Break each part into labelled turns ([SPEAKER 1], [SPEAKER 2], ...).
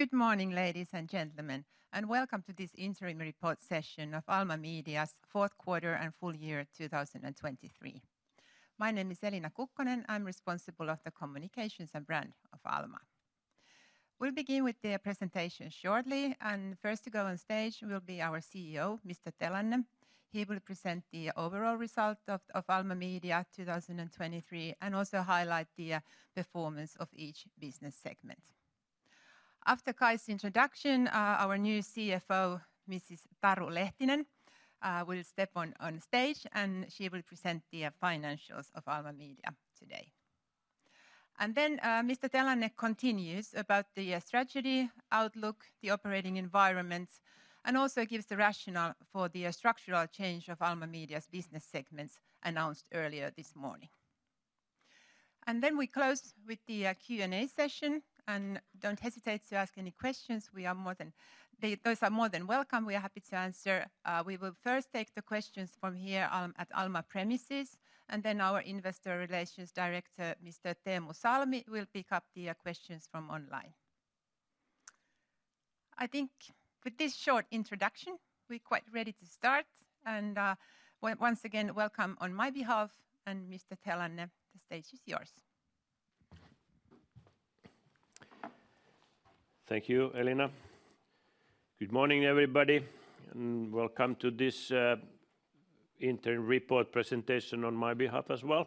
[SPEAKER 1] Good morning, ladies and gentlemen, and welcome to this interim report session of Alma Media's Fourth Quarter and Full Year 2023. My name is Elina Kukkonen, I'm responsible for the communications and brand of Alma. We'll begin with the presentation shortly, and first to go on stage will be our CEO, Mr. Telanne. He will present the overall result of Alma Media 2023 and also highlight the performance of each business segment. After Kai's introduction, our new CFO, Mrs. Taru Lehtinen, will step on stage and she will present the financials of Alma Media today. Then Mr. Telanne continues about the strategy outlook, the operating environments, and also gives the rationale for the structural change of Alma Media's business segments announced earlier this morning. Then we close with the Q&A session, and don't hesitate to ask any questions. We are more than those are more than welcome. We are happy to answer. We will first take the questions from here at Alma premises, and then our investor relations director, Mr. Teemu Salmi, will pick up the questions from online. I think with this short introduction we're quite ready to start, and once again welcome on my behalf, and Mr. Telanne, the stage is yours.
[SPEAKER 2] Thank you, Elina. Good morning, everybody, and welcome to this interim report presentation on my behalf as well.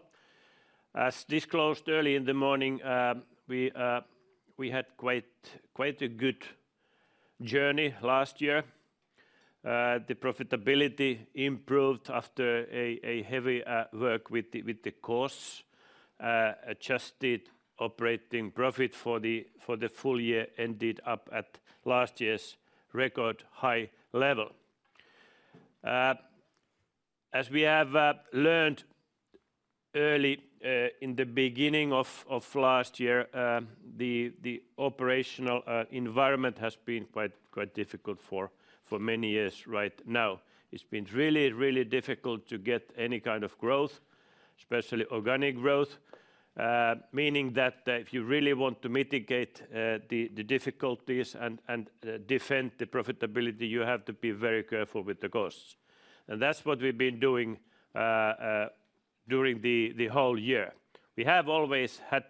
[SPEAKER 2] As disclosed early in the morning, we had quite a good journey last year. The profitability improved after heavy work with the costs. Adjusted operating profit for the full year ended up at last year's record high level. As we have learned early in the beginning of last year, the operational environment has been quite difficult for many years right now. It's been really, really difficult to get any kind of growth, especially organic growth. Meaning that if you really want to mitigate the difficulties and defend the profitability, you have to be very careful with the costs. That's what we've been doing during the whole year. We have always had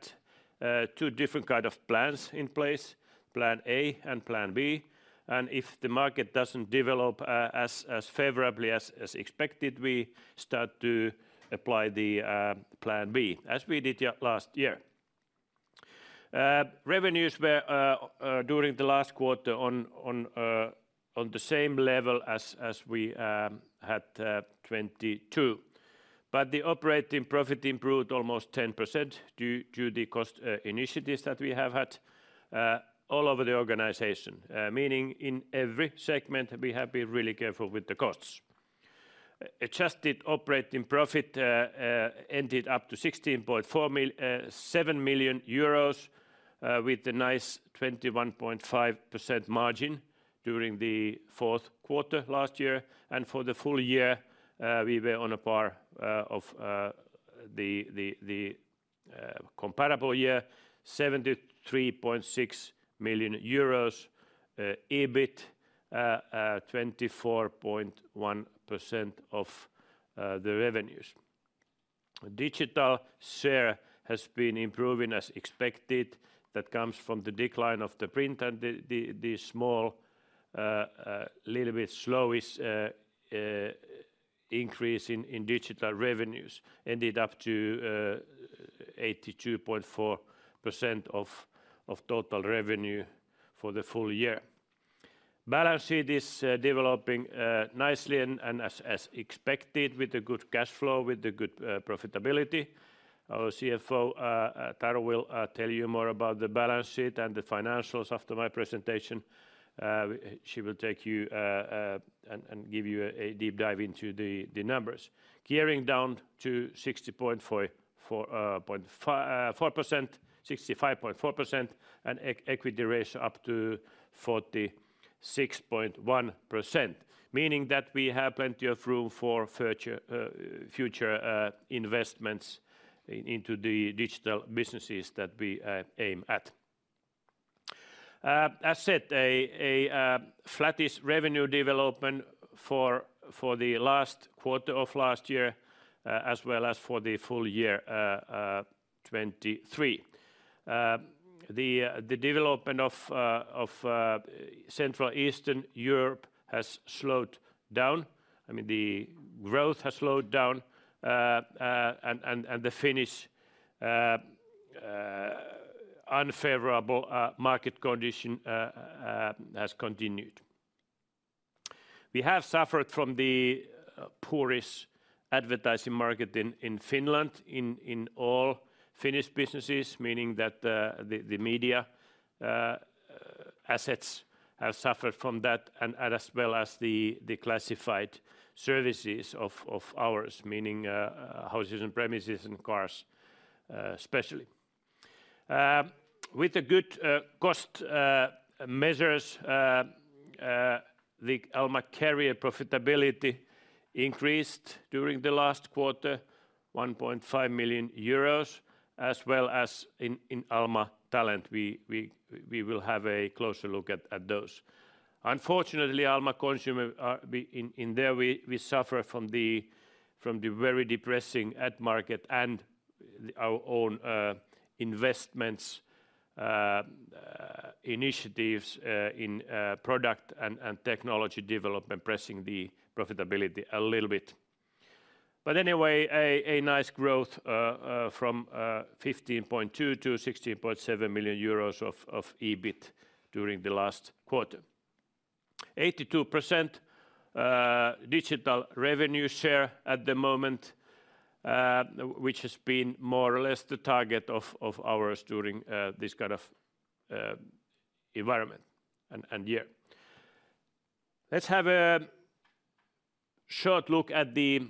[SPEAKER 2] two different kinds of plans in place, plan A and plan B, and if the market doesn't develop as favorably as expected, we start to apply the plan B, as we did last year. Revenues were during the last quarter on the same level as we had 2022. But the operating profit improved almost 10% due to the cost initiatives that we have had all over the organization. Meaning in every segment we have been really careful with the costs. Adjusted operating profit ended up to 16.7 million euros with a nice 21.5% margin during the fourth quarter last year. And for the full year we were on a par of the comparable year, EUR 73.6 million, EBIT 24.1% of the revenues. Digital share has been improving as expected. That comes from the decline of the print and the small, a little bit slowest increase in digital revenues ended up to 82.4% of total revenue for the full year. Balance sheet is developing nicely and as expected with a good cash flow, with a good profitability. Our CFO Taru will tell you more about the balance sheet and the financials after my presentation. She will take you and give you a deep dive into the numbers. Gearing down to 60.4% and equity ratio up to 46.1%. Meaning that we have plenty of room for future investments into the digital businesses that we aim at. As said, a flattish revenue development for the last quarter of last year as well as for the full year 2023. The development of Central Eastern Europe has slowed down. I mean, the growth has slowed down and the Finnish unfavorable market condition has continued. We have suffered from the poorest advertising market in Finland, in all Finnish businesses, meaning that the media assets have suffered from that and as well as the classified services of ours, meaning houses and premises and cars especially. With the good cost measures, the Alma Career profitability increased during the last quarter, 1.5 million euros, as well as in Alma Talent, we will have a closer look at those. Unfortunately, Alma Consumer in there we suffer from the very depressing ad market and our own investments initiatives in product and technology development pressing the profitability a little bit. But anyway, a nice growth from 15.2 million to 16.7 million euros of EBIT during the last quarter. 82% digital revenue share at the moment, which has been more or less the target of ours during this kind of environment and year. Let's have a short look at the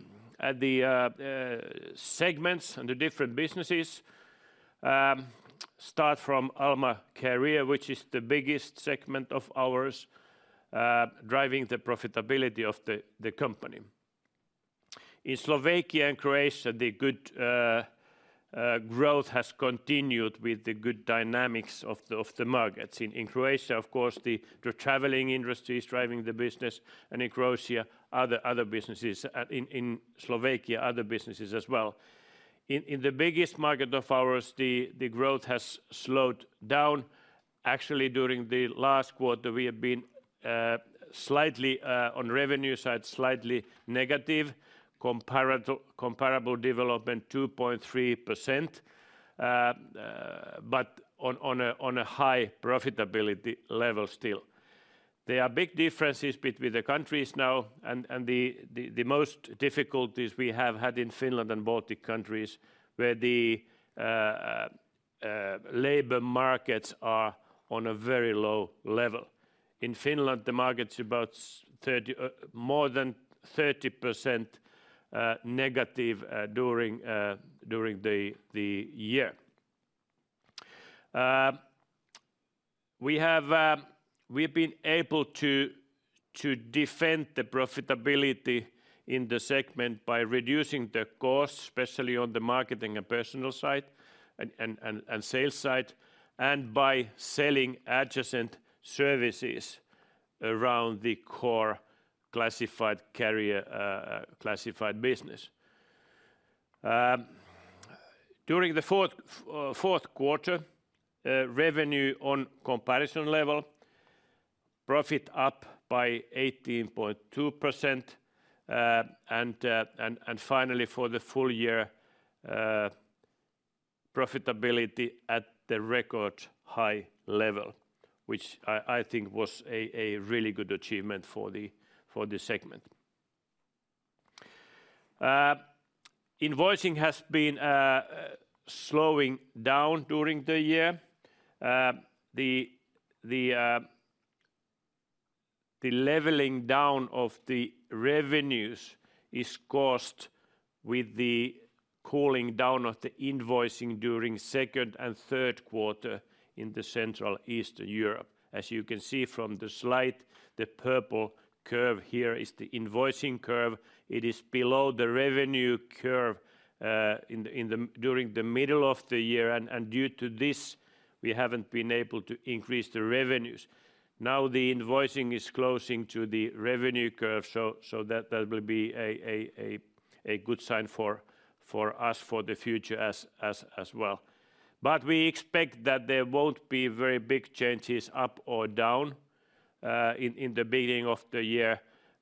[SPEAKER 2] segments and the different businesses. Start from Alma Career, which is the biggest segment of ours driving the profitability of the company. In Slovakia and Croatia, the good growth has continued with the good dynamics of the markets. In Croatia, of course, the traveling industry is driving the business and in Croatia other businesses, in Slovakia other businesses as well. In the biggest market of ours, the growth has slowed down. Actually, during the last quarter we have been slightly on revenue side, slightly negative. Comparable development 2.3%. But on a high profitability level still. There are big differences between the countries now and the most difficulties we have had in Finland and Baltic countries where the labor markets are on a very low level. In Finland, the market is about more than 30% negative during the year. We have been able to defend the profitability in the segment by reducing the costs, especially on the marketing and personal side and sales side, and by selling adjacent services around the core classified career - classified business. During the fourth quarter, revenue on comparison level profit up by 18.2%. Finally, for the full year, profitability at the record high level, which I think was a really good achievement for the segment. Invoicing has been slowing down during the year. The leveling down of the revenues is caused with the cooling down of the invoicing during second and third quarter in the Central Eastern Europe. As you can see from the slide, the purple curve here is the invoicing curve. It is below the revenue curve during the middle of the year and due to this we haven't been able to increase the revenues. Now the invoicing is closing to the revenue curve, so that will be a good sign for us for the future as well. But we expect that there won't be very big changes up or down in the beginning of the year,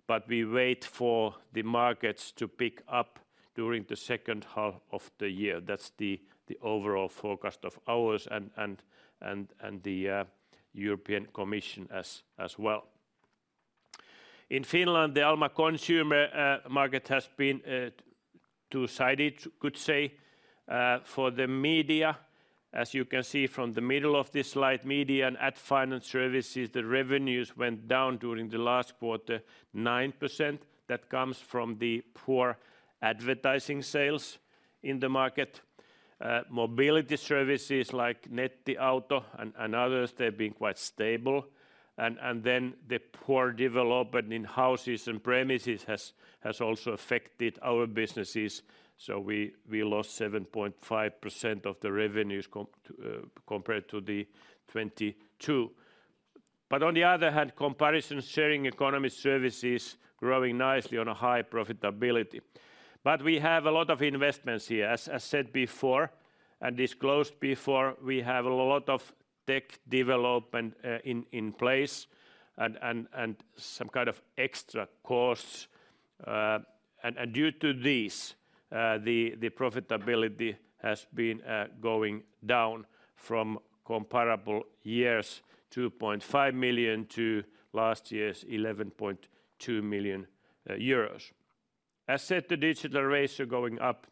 [SPEAKER 2] but we wait for the markets to pick up during the second half of the year. That's the overall forecast of ours and the European Commission as well. In Finland, the Alma Consumer market has been two-sided, could say. For the media, as you can see from the middle of this slide, media and ad-funded services, the revenues went down during the last quarter 9%. That comes from the poor advertising sales in the market. Mobility services like Nettiauto and others, they've been quite stable. And then the poor development in houses and premises has also affected our businesses. We lost 7.5% of the revenues compared to the 2022. But on the other hand, comparison sharing economy services growing nicely on a high profitability. But we have a lot of investments here, as said before and disclosed before. We have a lot of tech development in place and some kind of extra costs. And due to these, the profitability has been going down from comparable years, 2.5 million to last year's 11.2 million euros. As said, the digital ratio going up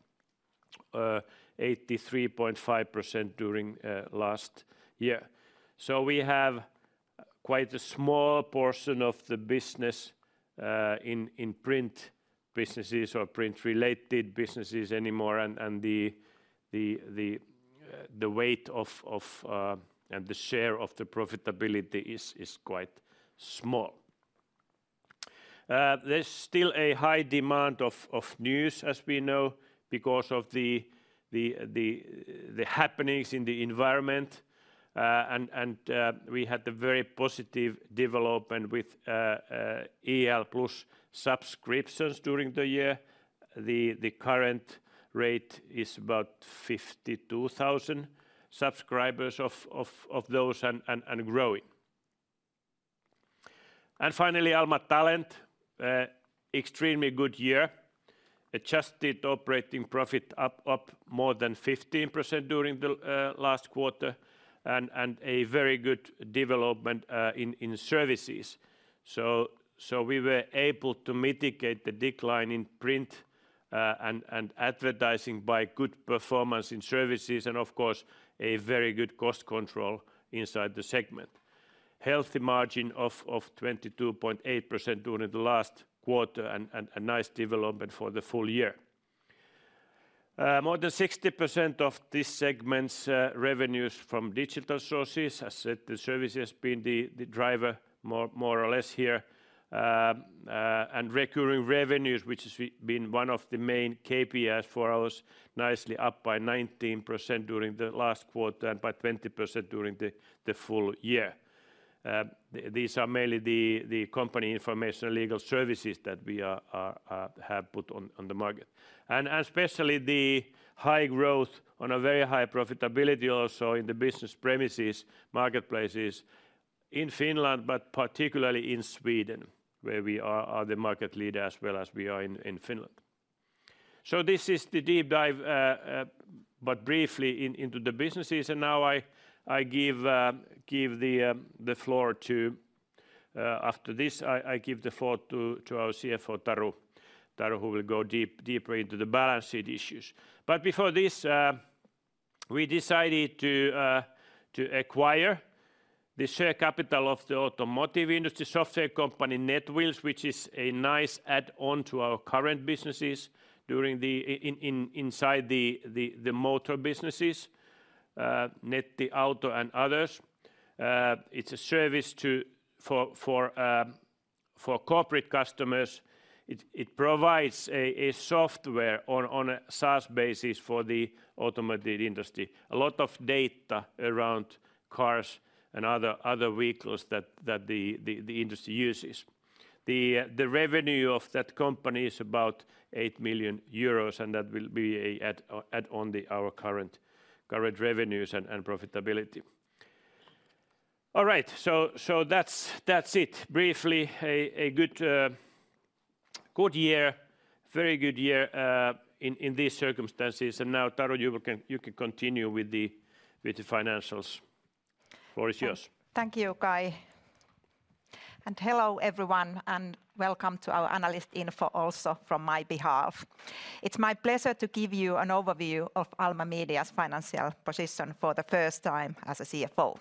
[SPEAKER 2] 83.5% during last year. So we have quite a small portion of the business in print businesses or print related businesses anymore and the weight of and the share of the profitability is quite small. There's still a high demand of news as we know because of the happenings in the environment. And we had a very positive development with IL Plus subscriptions during the year. The current rate is about 52,000 subscribers of those and growing. Finally, Alma Talent, extremely good year. Adjusted operating profit up more than 15% during the last quarter and a very good development in services. So we were able to mitigate the decline in print and advertising by good performance in services and of course a very good cost control inside the segment. Healthy margin of 22.8% during the last quarter and nice development for the full year. More than 60% of this segment's revenues from digital sources, as said, the service has been the driver more or less here. And recurring revenues, which has been one of the main KPIs for ours, nicely up by 19% during the last quarter and by 20% during the full year. These are mainly the company information and legal services that we have put on the market. And especially the high growth on a very high profitability also in the business premises marketplaces in Finland, but particularly in Sweden where we are the market leader as well as we are in Finland. So this is the deep dive, but briefly into the businesses. And now, after this, I give the floor to our CFO Taru, who will go deeper into the balance sheet issues. But before this, we decided to acquire the share capital of the automotive industry software company Netwheels, which is a nice add-on to our current businesses in the motor businesses, Nettiauto and others. It's a service for corporate customers. It provides a software on a SaaS basis for the automotive industry. A lot of data around cars and other vehicles that the industry uses. The revenue of that company is about 8 million euros and that will be an add-on to our current revenues and profitability. All right, so that's it. Briefly, a good year, very good year in these circumstances. And now Taru, you can continue with the financials. Floor is yours.
[SPEAKER 3] Thank you, Kai. And hello everyone and welcome to our analyst info also from my behalf. It's my pleasure to give you an overview of Alma Media's financial position for the first time as a CFO.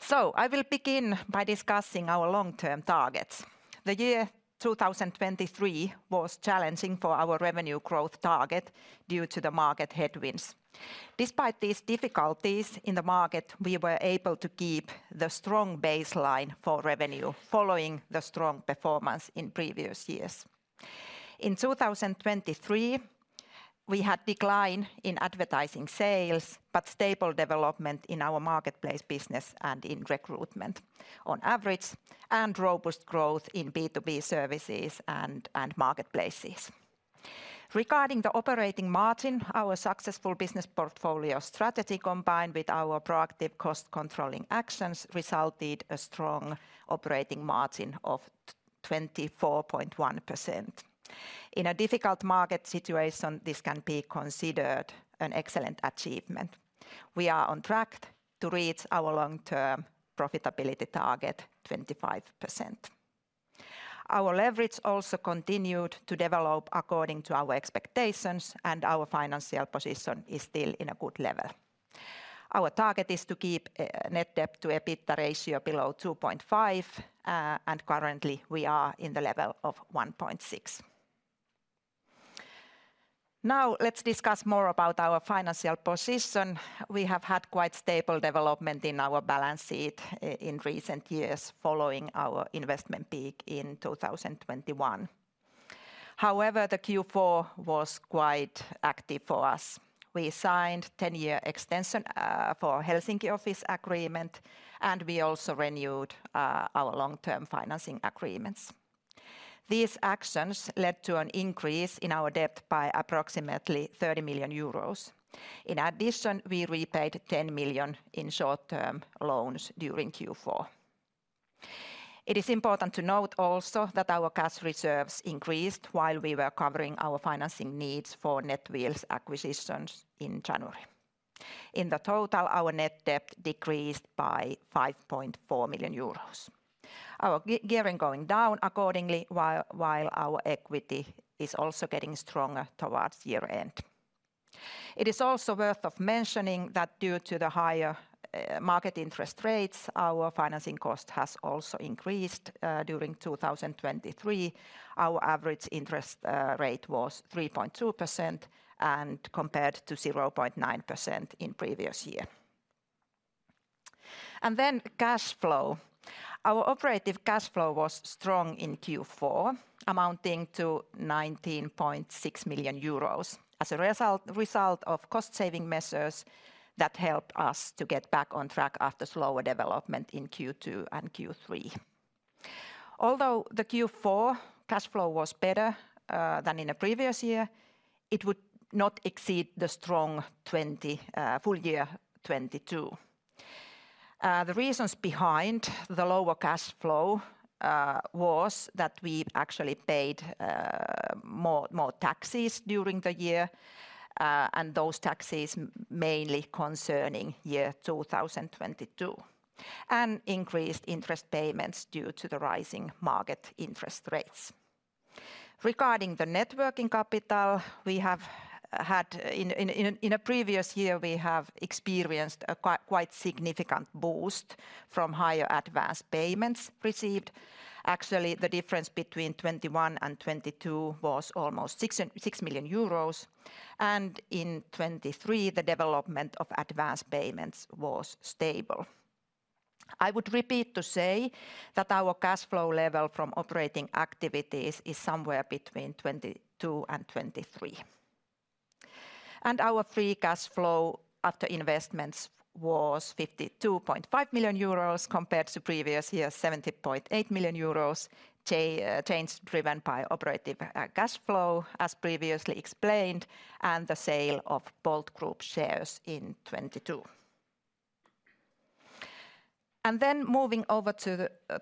[SPEAKER 3] So I will begin by discussing our long-term targets. The year 2023 was challenging for our revenue growth target due to the market headwinds. Despite these difficulties in the market, we were able to keep the strong baseline for revenue following the strong performance in previous years. In 2023, we had decline in advertising sales, but stable development in our Marketplace business and in recruitment on average and robust growth in B2B services and marketplaces. Regarding the operating margin, our successful business portfolio strategy combined with our proactive cost controlling actions resulted in a strong operating margin of 24.1%. In a difficult market situation, this can be considered an excellent achievement. We are on track to reach our long-term profitability target 25%. Our leverage also continued to develop according to our expectations and our financial position is still in a good level. Our target is to keep net debt to EBITDA ratio below 2.5 and currently we are in the level of 1.6. Now let's discuss more about our financial position. We have had quite stable development in our balance sheet in recent years following our investment peak in 2021. However, the Q4 was quite active for us. We signed a 10-year extension for the Helsinki office agreement and we also renewed our long-term financing agreements. These actions led to an increase in our debt by approximately 30 million euros. In addition, we repaid 10 million in short-term loans during Q4. It is important to note also that our cash reserves increased while we were covering our financing needs for Netwheels acquisitions in January. In the total, our net debt decreased by 5.4 million euros. Our gearing is going down accordingly while our equity is also getting stronger towards year-end. It is also worth mentioning that due to the higher market interest rates, our financing cost has also increased. During 2023, our average interest rate was 3.2% and compared to 0.9% in the previous year. And then cash flow. Our operative cash flow was strong in Q4, amounting to 19.6 million euros as a result of cost-saving measures that helped us to get back on track after slower development in Q2 and Q3. Although the Q4 cash flow was better than in the previous year, it would not exceed the strong full year 2022. The reasons behind the lower cash flow were that we actually paid more taxes during the year and those taxes mainly concerning year 2022. Increased interest payments due to the rising market interest rates. Regarding the working capital, we have had in a previous year, we have experienced a quite significant boost from higher advance payments received. Actually, the difference between 2021 and 2022 was almost 6 million euros. In 2023, the development of advance payments was stable. I would repeat to say that our cash flow level from operating activities is somewhere between 2022 and 2023. Our free cash flow after investments was 52.5 million euros compared to previous years, 70.8 million euros, change driven by operative cash flow as previously explained and the sale of Bolt Group shares in 2022. Then moving over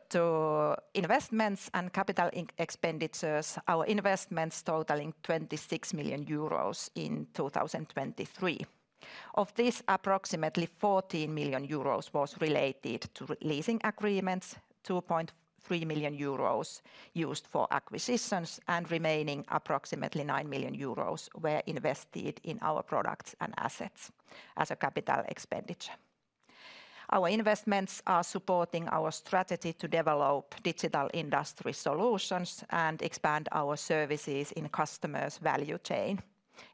[SPEAKER 3] to investments and capital expenditures, our investments totaling 26 million euros in 2023. Of this, approximately 14 million euros were related to leasing agreements, 2.3 million euros used for acquisitions and remaining approximately 9 million euros were invested in our products and assets as a capital expenditure. Our investments are supporting our strategy to develop digital industry solutions and expand our services in customers' value chain,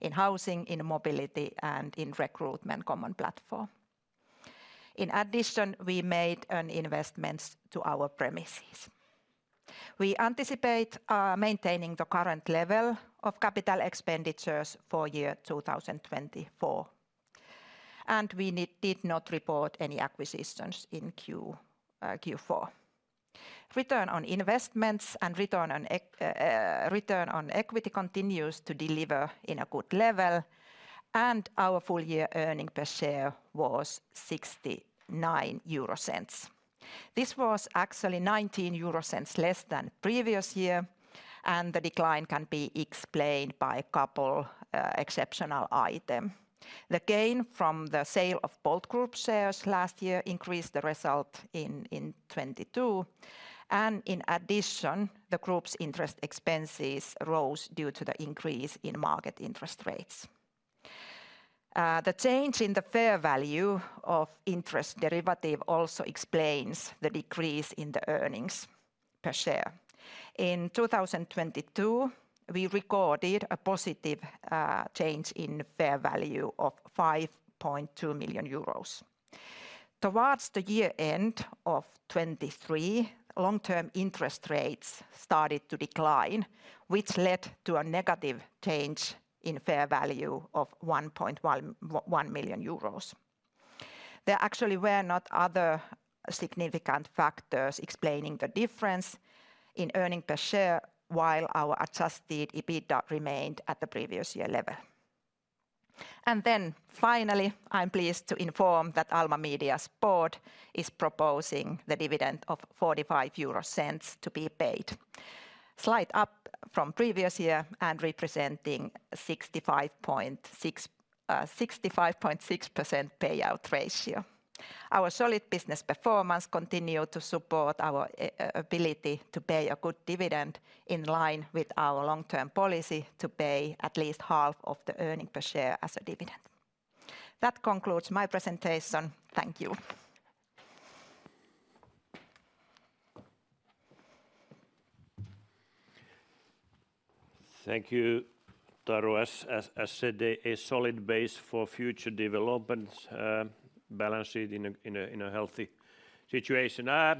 [SPEAKER 3] in housing, in mobility and in recruitment, common platform. In addition, we made investments to our premises. We anticipate maintaining the current level of capital expenditures for year 2024. We did not report any acquisitions in Q4. Return on investments and return on equity continues to deliver in a good level. Our full year earnings per share was 0.69. This was actually 0.19 less than the previous year. The decline can be explained by a couple of exceptional items. The gain from the sale of Bolt Group shares last year increased the result in 2022. In addition, the group's interest expenses rose due to the increase in market interest rates. The change in the fair value of interest derivative also explains the decrease in the earnings per share. In 2022, we recorded a positive change in fair value of 5.2 million euros. Towards the year-end of 2023, long-term interest rates started to decline, which led to a negative change in fair value of 1.1 million euros. There actually were not other significant factors explaining the difference in earnings per share while our adjusted EBITDA remained at the previous year level. Then finally, I'm pleased to inform that Alma Media's board is proposing the dividend of 0.45 to be paid. Slight up from previous year and representing a 65.6% payout ratio. Our solid business performance continues to support our ability to pay a good dividend in line with our long-term policy to pay at least half of the earnings per share as a dividend. That concludes my presentation. Thank you.
[SPEAKER 2] Thank you, Taru. As I said, a solid base for future development, balance sheet in a healthy situation. I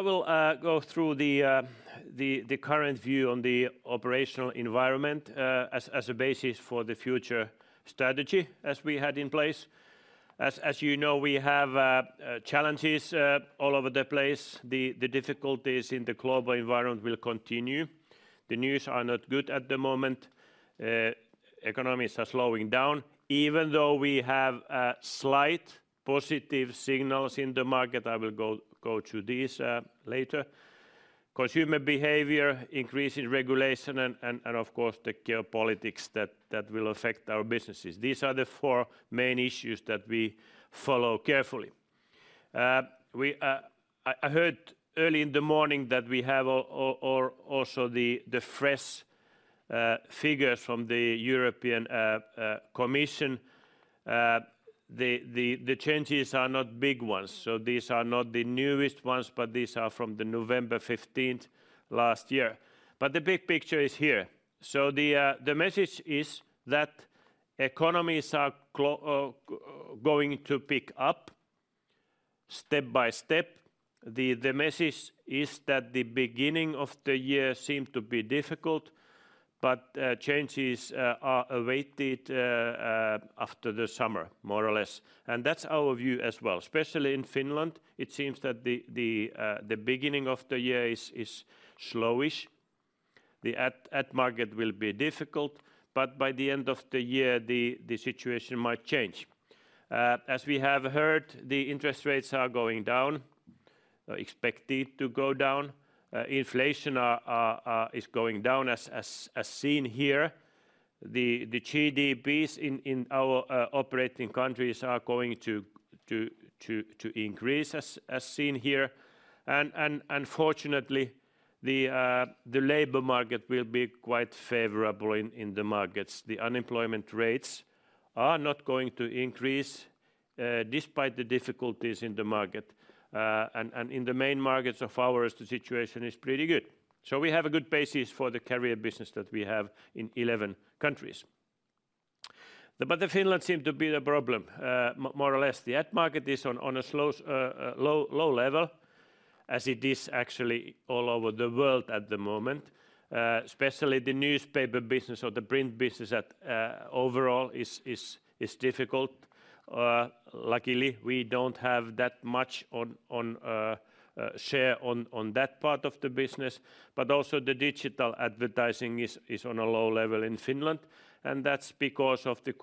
[SPEAKER 2] will go through the current view on the operational environment as a basis for the future strategy as we had in place. As you know, we have challenges all over the place. The difficulties in the global environment will continue. The news are not good at the moment. Economies are slowing down. Even though we have slight positive signals in the market, I will go through these later. Consumer behavior, increasing regulation and of course the geopolitics that will affect our businesses. These are the four main issues that we follow carefully. I heard early in the morning that we have also the fresh figures from the European Commission. The changes are not big ones. So these are not the newest ones, but these are from November 15th last year. But the big picture is here. So the message is that economies are going to pick up step by step. The message is that the beginning of the year seemed to be difficult, but changes are awaited after the summer, more or less. And that's our view as well. Especially in Finland, it seems that the beginning of the year is slowish. The auto market will be difficult, but by the end of the year, the situation might change. As we have heard, the interest rates are going down, expected to go down. Inflation is going down as seen here. The GDPs in our operating countries are going to increase as seen here. And fortunately, the labor market will be quite favorable in the markets. The unemployment rates are not going to increase despite the difficulties in the market. And in the main markets of ours, the situation is pretty good. So we have a good basis for the Career business that we have in 11 countries. But Finland seemed to be the problem, more or less. The ad market is on a low level as it is actually all over the world at the moment. Especially the newspaper business or the print business overall is difficult. Luckily, we don't have that much share on that part of the business. But also the digital advertising is on a low level in Finland. And that's because of the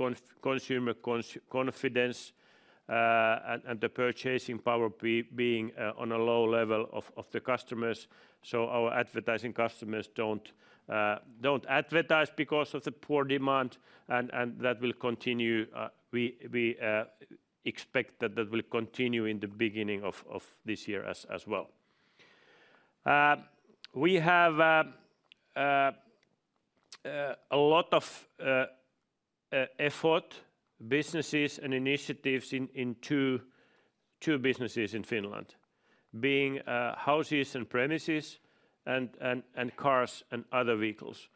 [SPEAKER 2] consumer confidence and the purchasing power being on a low level of the customers. So our advertising customers don't advertise because of the poor demand and that will continue. We expect that that will continue in the beginning of this year as well. We have a lot of effort, businesses and initiatives in two businesses in Finland, being houses and premises and cars and other vehicles.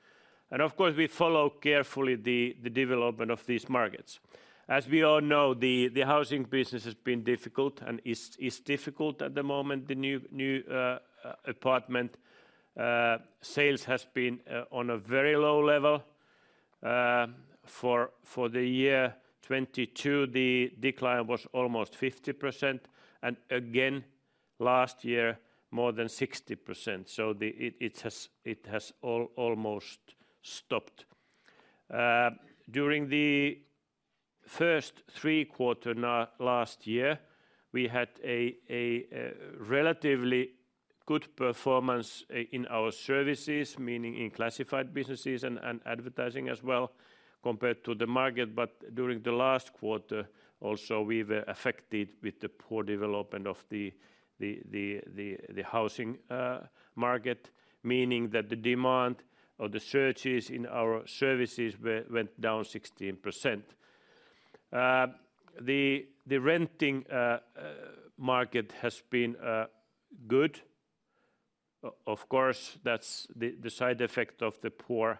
[SPEAKER 2] Of course, we follow carefully the development of these markets. As we all know, the housing business has been difficult and is difficult at the moment. The new apartment sales have been on a very low level. For the year 2022, the decline was almost 50%. And again last year, more than 60%. So it has almost stopped. During the first three quarters last year, we had a relatively good performance in our services, meaning in classified businesses and advertising as well compared to the market. But during the last quarter also, we were affected with the poor development of the housing market, meaning that the demand or the searches in our services went down 16%. The renting market has been good. Of course, that's the side effect of the poor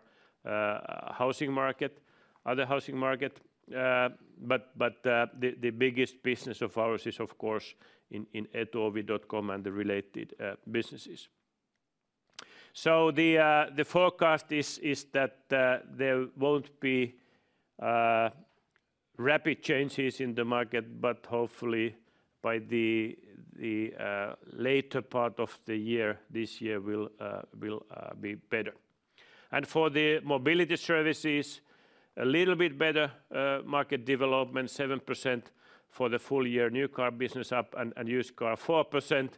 [SPEAKER 2] housing market, other housing market. But the biggest business of ours is of course in Etuovi.com and the related businesses. So the forecast is that there won't be rapid changes in the market, but hopefully by the later part of the year, this year will be better. And for the mobility services, a little bit better market development, 7% for the full year new car business up and used car 4%.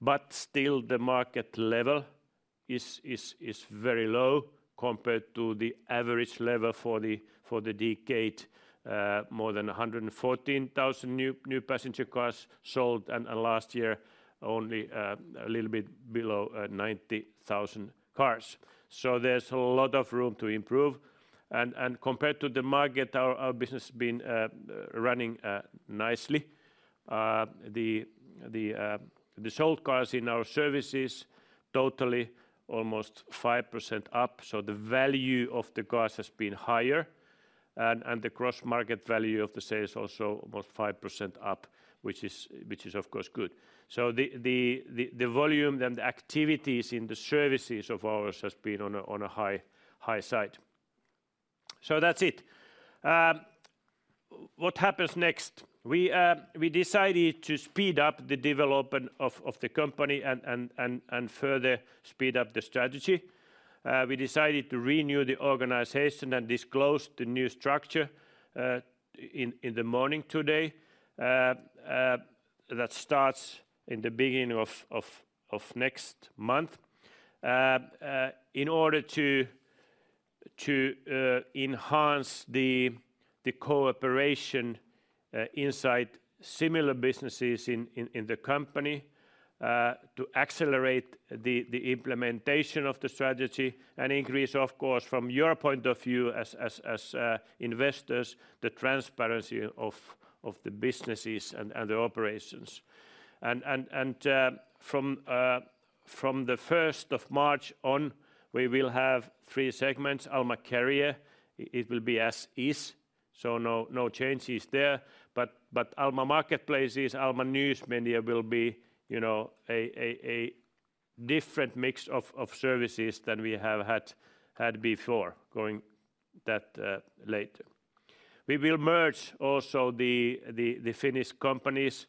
[SPEAKER 2] But still, the market level is very low compared to the average level for the decade, more than 114,000 new passenger cars sold and last year only a little bit below 90,000 cars. So there's a lot of room to improve. And compared to the market, our business has been running nicely. The sold cars in our services totally almost 5% up. So the value of the cars has been higher. And the gross market value of the sales also almost 5% up, which is of course good. So the volume and the activities in the services of ours has been on a high side. So that's it. What happens next? We decided to speed up the development of the company and further speed up the strategy. We decided to renew the organization and disclose the new structure in the morning today. That starts in the beginning of next month. In order to enhance the cooperation inside similar businesses in the company, to accelerate the implementation of the strategy and increase, of course, from your point of view as investors, the transparency of the businesses and the operations. And from the 1st of March on, we will have three segments. Alma Career, it will be as is. So no changes there. But Alma Marketplaces, Alma News Media will be, you know, a different mix of services than we have had before, going into that later. We will merge also the Finnish companies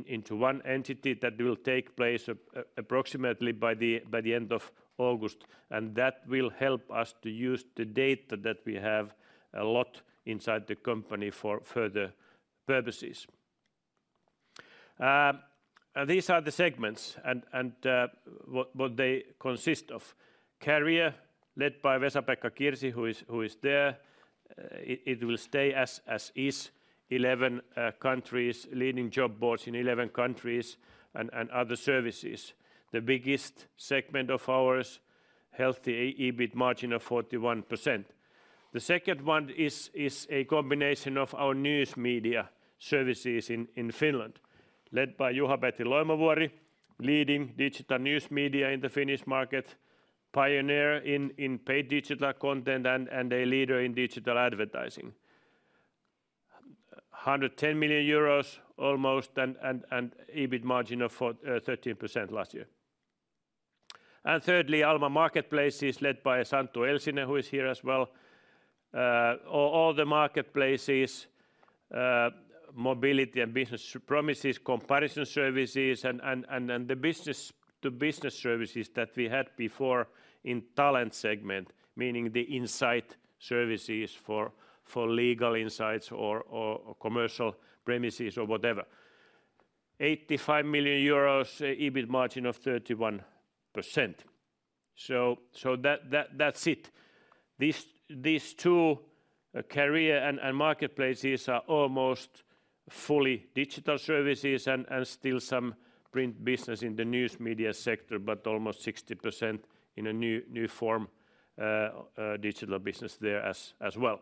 [SPEAKER 2] into one entity that will take place approximately by the end of August. And that will help us to use the data that we have a lot inside the company for further purposes. And these are the segments and what they consist of. Career, led by Vesa-Pekka Kirsi, who is there. It will stay as is. 11 countries, leading job boards in 11 countries and other services. The biggest segment of ours, healthy EBIT margin of 41%. The second one is a combination of our News Media services in Finland, led by Juha-Petri Loimovuori, leading digital news media in the Finnish market, pioneer in paid digital content and a leader in digital advertising. 110 million euros almost and EBIT margin of 13% last year. And thirdly, Alma Marketplaces, led by Santtu Elsinen, who is here as well. All the marketplaces, mobility and business premises, comparison services and the business-to-business services that we had before in Talent segment, meaning the insight services for legal insights or commercial premises or whatever. 85 million euros EBIT margin of 31%. So that's it. These two Career and Marketplaces are almost fully digital services and still some print business in the News Media sector, but almost 60% in a new form digital business there as well.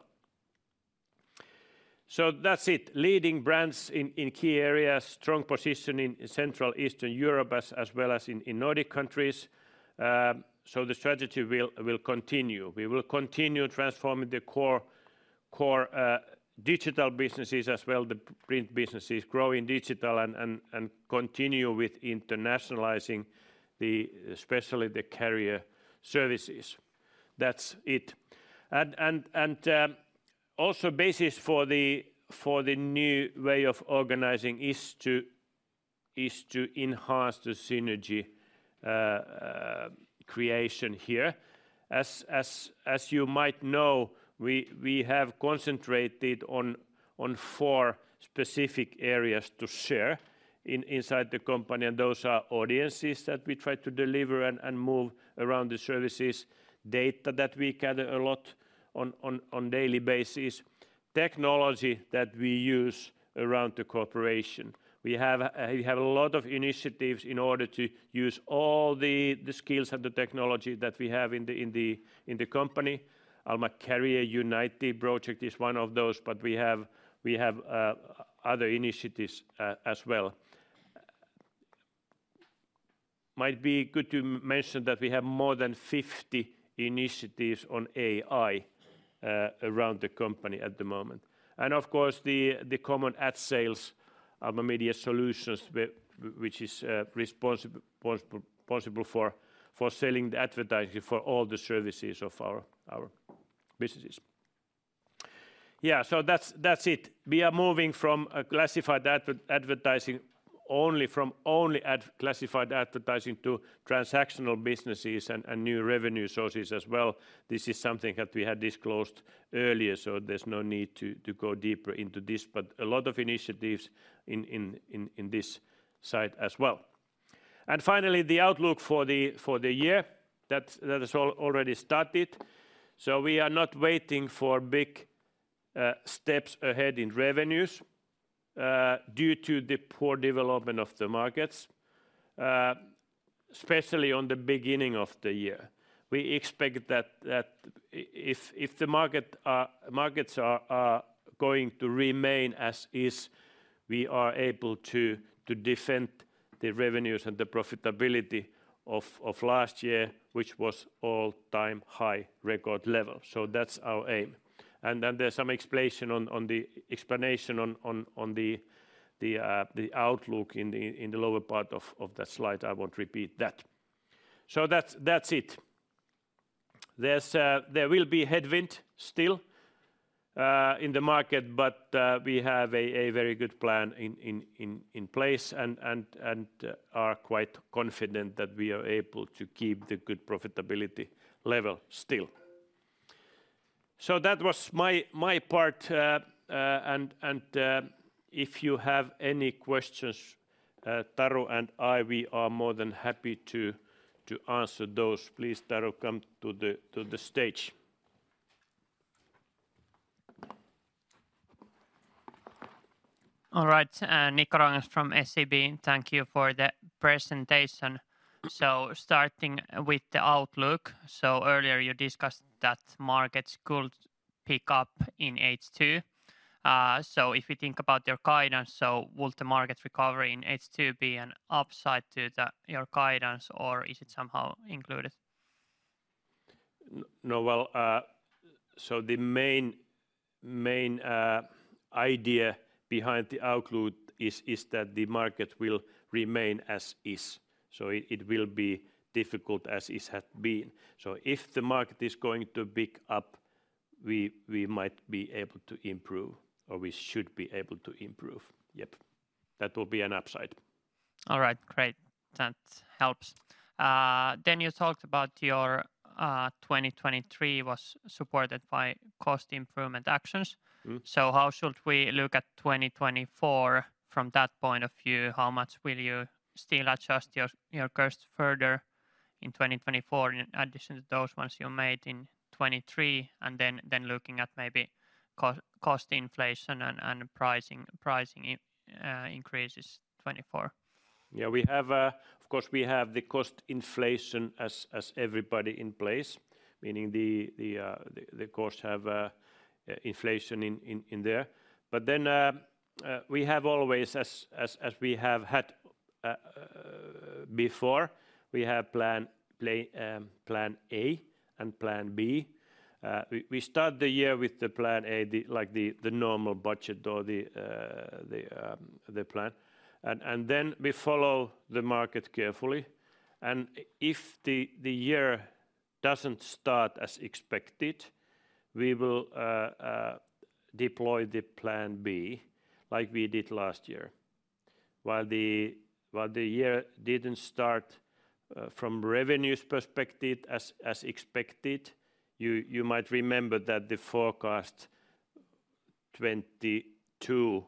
[SPEAKER 2] So that's it. Leading brands in key areas, strong position in Central Eastern Europe as well as in Nordic countries. So the strategy will continue. We will continue transforming the core digital businesses as well, the print businesses, growing digital and continue with internationalizing, especially the Career services. That's it. Also basis for the new way of organizing is to enhance the synergy creation here. As you might know, we have concentrated on four specific areas to share inside the company and those are audiences that we try to deliver and move around the services, data that we gather a lot on daily basis, technology that we use around the corporation. We have a lot of initiatives in order to use all the skills and the technology that we have in the company. Alma Career Unity project is one of those, but we have other initiatives as well. It might be good to mention that we have more than 50 initiatives on AI around the company at the moment. And of course, the common ad sales, Alma Media Solutions, which is responsible for selling the advertising for all the services of our businesses. Yeah, so that's it. We are moving from classified advertising, only from only classified advertising to transactional businesses and new revenue sources as well. This is something that we had disclosed earlier, so there's no need to go deeper into this, but a lot of initiatives in this side as well. And finally, the outlook for the year that has already started. So we are not waiting for big steps ahead in revenues due to the poor development of the markets, especially on the beginning of the year. We expect that if the markets are going to remain as is, we are able to defend the revenues and the profitability of last year, which was all-time high record level. So that's our aim. And there's some explanation on the explanation on the outlook in the lower part of that slide. I won't repeat that. So that's it. There will be headwind still in the market, but we have a very good plan in place and are quite confident that we are able to keep the good profitability level still. So that was my part. If you have any questions, Taru and I, we are more than happy to answer those. Please, Taru, come to the stage.
[SPEAKER 4] All right, Nikko Ruokangas from SEB, thank you for the presentation. Starting with the outlook. Earlier you discussed that markets could pick up in H2. If we think about your guidance, so would the market recovery in H2 be an upside to your guidance or is it somehow included?
[SPEAKER 2] No, well, so the main idea behind the outlook is that the market will remain as is. So it will be difficult as it had been. So if the market is going to pick up, we might be able to improve or we should be able to improve. Yep, that will be an upside.
[SPEAKER 4] All right, great. That helps. Then you talked about your 2023 was supported by cost improvement actions. So how should we look at 2024 from that point of view? How much will you still adjust your curves further in 2024 in addition to those ones you made in 2023 and then looking at maybe cost inflation and pricing increases 2024?
[SPEAKER 2] Yeah, of course, we have the cost inflation as everybody in place, meaning the curves have inflation in there. But then we have always, as we have had before, we have plan A and plan B. We start the year with the plan A, like the normal budget or the plan. And then we follow the market carefully. And if the year doesn't start as expected, we will deploy the plan B like we did last year. While the year didn't start from revenues perspective as expected, you might remember that the forecast 2022,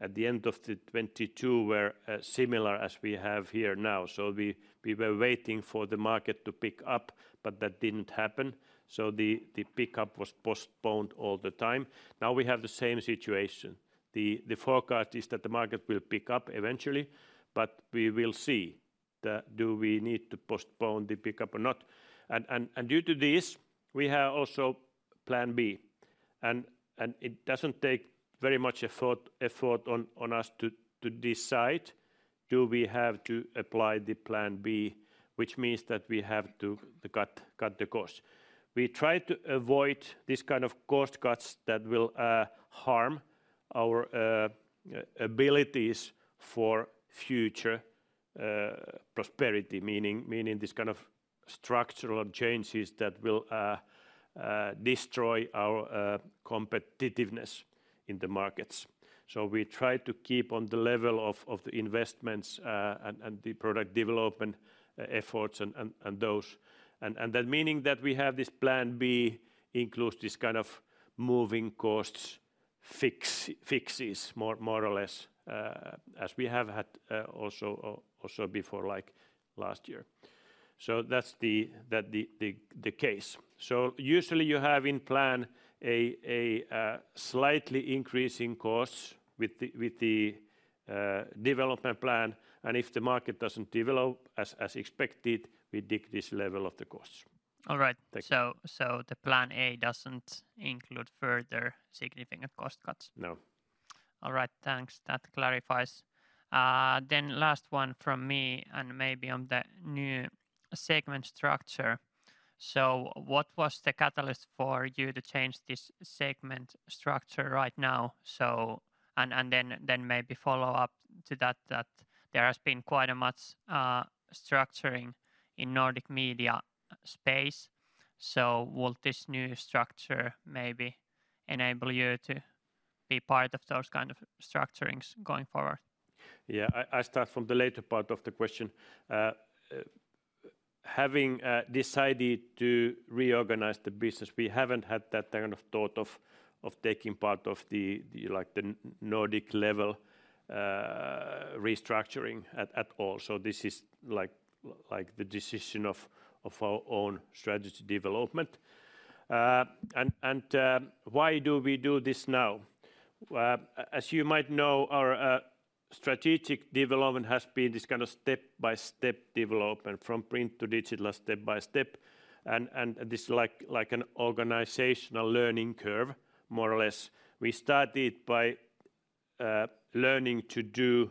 [SPEAKER 2] at the end of the 2022, were similar as we have here now. So we were waiting for the market to pick up, but that didn't happen. So the pickup was postponed all the time. Now we have the same situation. The forecast is that the market will pick up eventually, but we will see do we need to postpone the pickup or not. Due to this, we have also plan B. It doesn't take very much effort on us to decide do we have to apply the plan B, which means that we have to cut the costs. We try to avoid this kind of cost cuts that will harm our abilities for future prosperity, meaning this kind of structural changes that will destroy our competitiveness in the markets. We try to keep on the level of the investments and the product development efforts and those. That meaning that we have this plan B includes this kind of moving costs fixes, more or less, as we have had also before, like last year. That's the case. Usually you have in plan a slightly increasing costs with the development plan. If the market doesn't develop as expected, we dig this level of the costs.
[SPEAKER 4] All right, so the plan A doesn't include further significant cost cuts.
[SPEAKER 2] No.
[SPEAKER 4] All right, thanks. That clarifies. Then last one from me and maybe on the new segment structure. So what was the catalyst for you to change this segment structure right now? And then maybe follow up to that, that there has been quite a much structuring in Nordic media space. So would this new structure maybe enable you to be part of those kind of structurings going forward?
[SPEAKER 2] Yeah, I start from the later part of the question. Having decided to reorganize the business, we haven't had that kind of thought of taking part of the Nordic level restructuring at all. So this is like the decision of our own strategy development. And why do we do this now? As you might know, our strategic development has been this kind of step-by-step development from print to digital, step-by-step. And this is like an organizational learning curve, more or less. We started by learning to do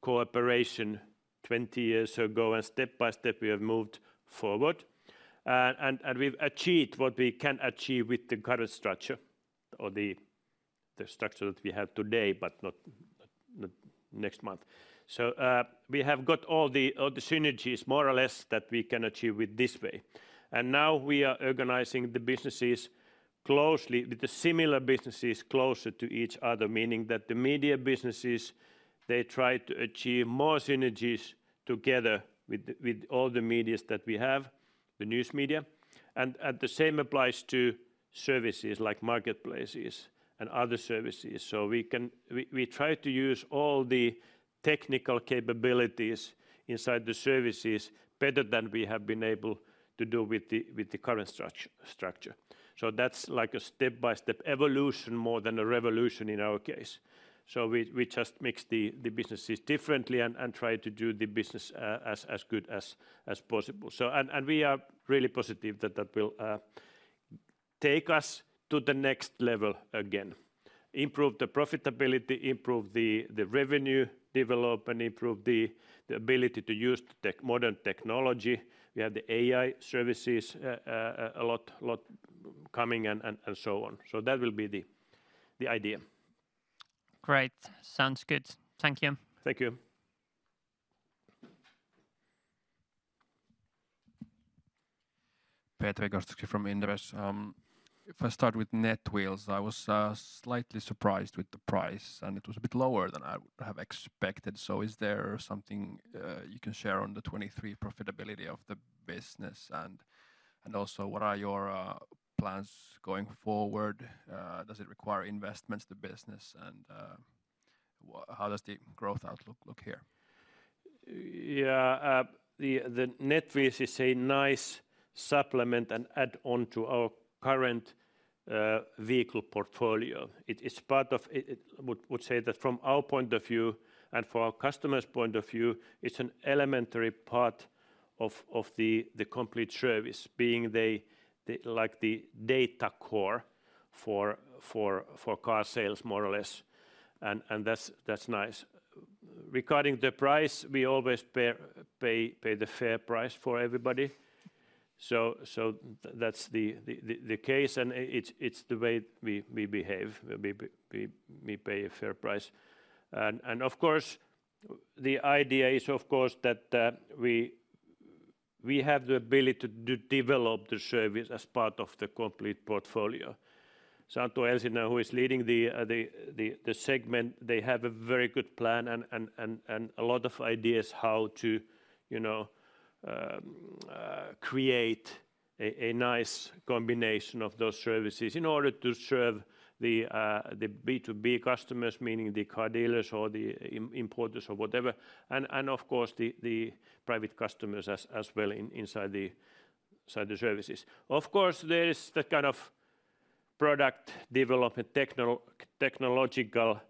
[SPEAKER 2] cooperation 20 years ago and step-by-step we have moved forward. And we've achieved what we can achieve with the current structure or the structure that we have today, but not next month. So we have got all the synergies, more or less, that we can achieve with this way. Now we are organizing the businesses closely with the similar businesses closer to each other, meaning that the media businesses, they try to achieve more synergies together with all the media that we have, the News Media. And the same applies to services like marketplaces and other services. So we try to use all the technical capabilities inside the services better than we have been able to do with the current structure. So that's like a step-by-step evolution more than a revolution in our case. So we just mix the businesses differently and try to do the business as good as possible. And we are really positive that that will take us to the next level again. Improve the profitability, improve the revenue development, improve the ability to use the modern technology. We have the AI services a lot coming and so on. So that will be the idea.
[SPEAKER 4] Great. Sounds good. Thank you.
[SPEAKER 2] Thank you.
[SPEAKER 5] Petri Gostowski from Inderes. If I start with Netwheels, I was slightly surprised with the price and it was a bit lower than I would have expected. So is there something you can share on the 2023 profitability of the business? And also what are your plans going forward? Does it require investments, the business? And how does the growth outlook look here?
[SPEAKER 2] Yeah, the Netwheels is a nice supplement and add-on to our current vehicle portfolio. It's part of, I would say that from our point of view and for our customers' point of view, it's an elementary part of the complete service, being like the data core for car sales, more or less. And that's nice. Regarding the price, we always pay the fair price for everybody. So that's the case. And it's the way we behave. We pay a fair price. And of course, the idea is, of course, that we have the ability to develop the service as part of the complete portfolio. Santtu Elsinen, who is leading the segment, they have a very good plan and a lot of ideas how to create a nice combination of those services in order to serve the B2B customers, meaning the car dealers or the importers or whatever. Of course, the private customers as well inside the services. Of course, there is that kind of product development, technological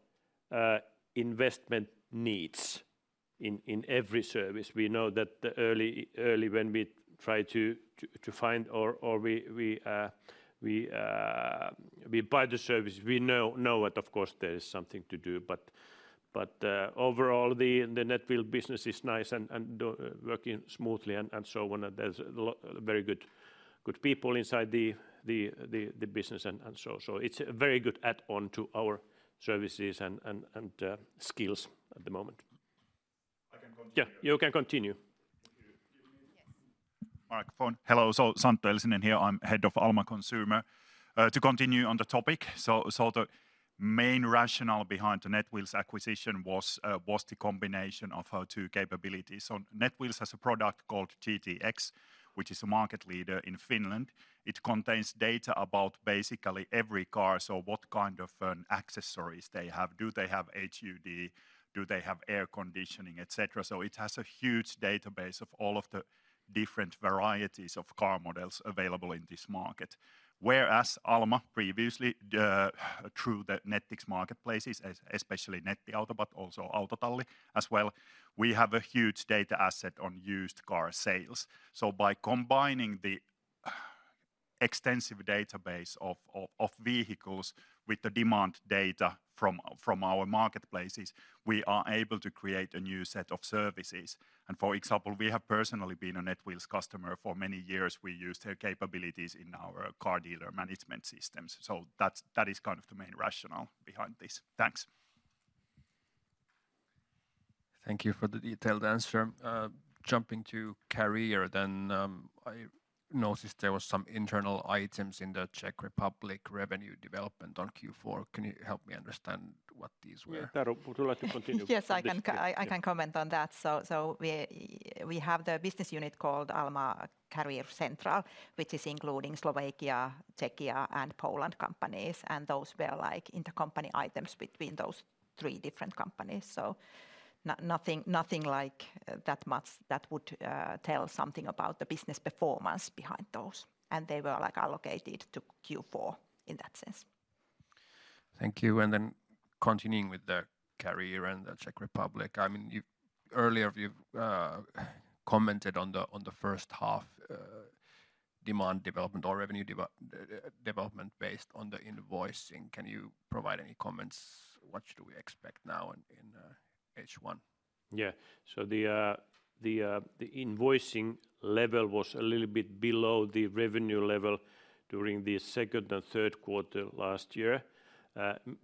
[SPEAKER 2] investment needs in every service. We know that early when we try to find or we buy the service, we know that, of course, there is something to do. But overall, the Netwheels business is nice and working smoothly and so on. And there's very good people inside the business and so. So it's a very good add-on to our services and skills at the moment.
[SPEAKER 6] I can continue.
[SPEAKER 2] Yeah, you can continue.
[SPEAKER 6] Hello, so Santtu Elsinen here. I'm Head of Alma Consumer. To continue on the topic, the main rationale behind the Netwheels acquisition was the combination of our two capabilities. Netwheels has a product called GT-X, which is a market leader in Finland. It contains data about basically every car. So what kind of accessories they have? Do they have HUD? Do they have air conditioning, et cetera? So it has a huge database of all of the different varieties of car models available in this market. Whereas Alma, previously through the Nettix marketplaces, especially Nettiauto, but also Autotalli as well, we have a huge data asset on used car sales. So by combining the extensive database of vehicles with the demand data from our Marketplaces, we are able to create a new set of services. And for example, we have personally been a Netwheels customer for many years. We use their capabilities in our car dealer management systems. So that is kind of the main rationale behind this. Thanks.
[SPEAKER 5] Thank you for the detailed answer. Jumping to Career then, I noticed there were some internal items in the Czech Republic revenue development on Q4. Can you help me understand what these were?
[SPEAKER 2] Taru, would you like to continue?
[SPEAKER 3] Yes, I can comment on that. So we have the business unit called Alma Career Central, which is including Slovakia, Czechia, and Poland companies. And those were intercompany items between those three different companies. So nothing like that much that would tell something about the business performance behind those. And they were allocated to Q4 in that sense.
[SPEAKER 5] Thank you. Then continuing with Alma Career and the Czech Republic. I mean, earlier you commented on the first half demand development or revenue development based on the invoicing. Can you provide any comments? What should we expect now in H1?
[SPEAKER 2] Yeah, so the invoicing level was a little bit below the revenue level during the second and third quarter last year,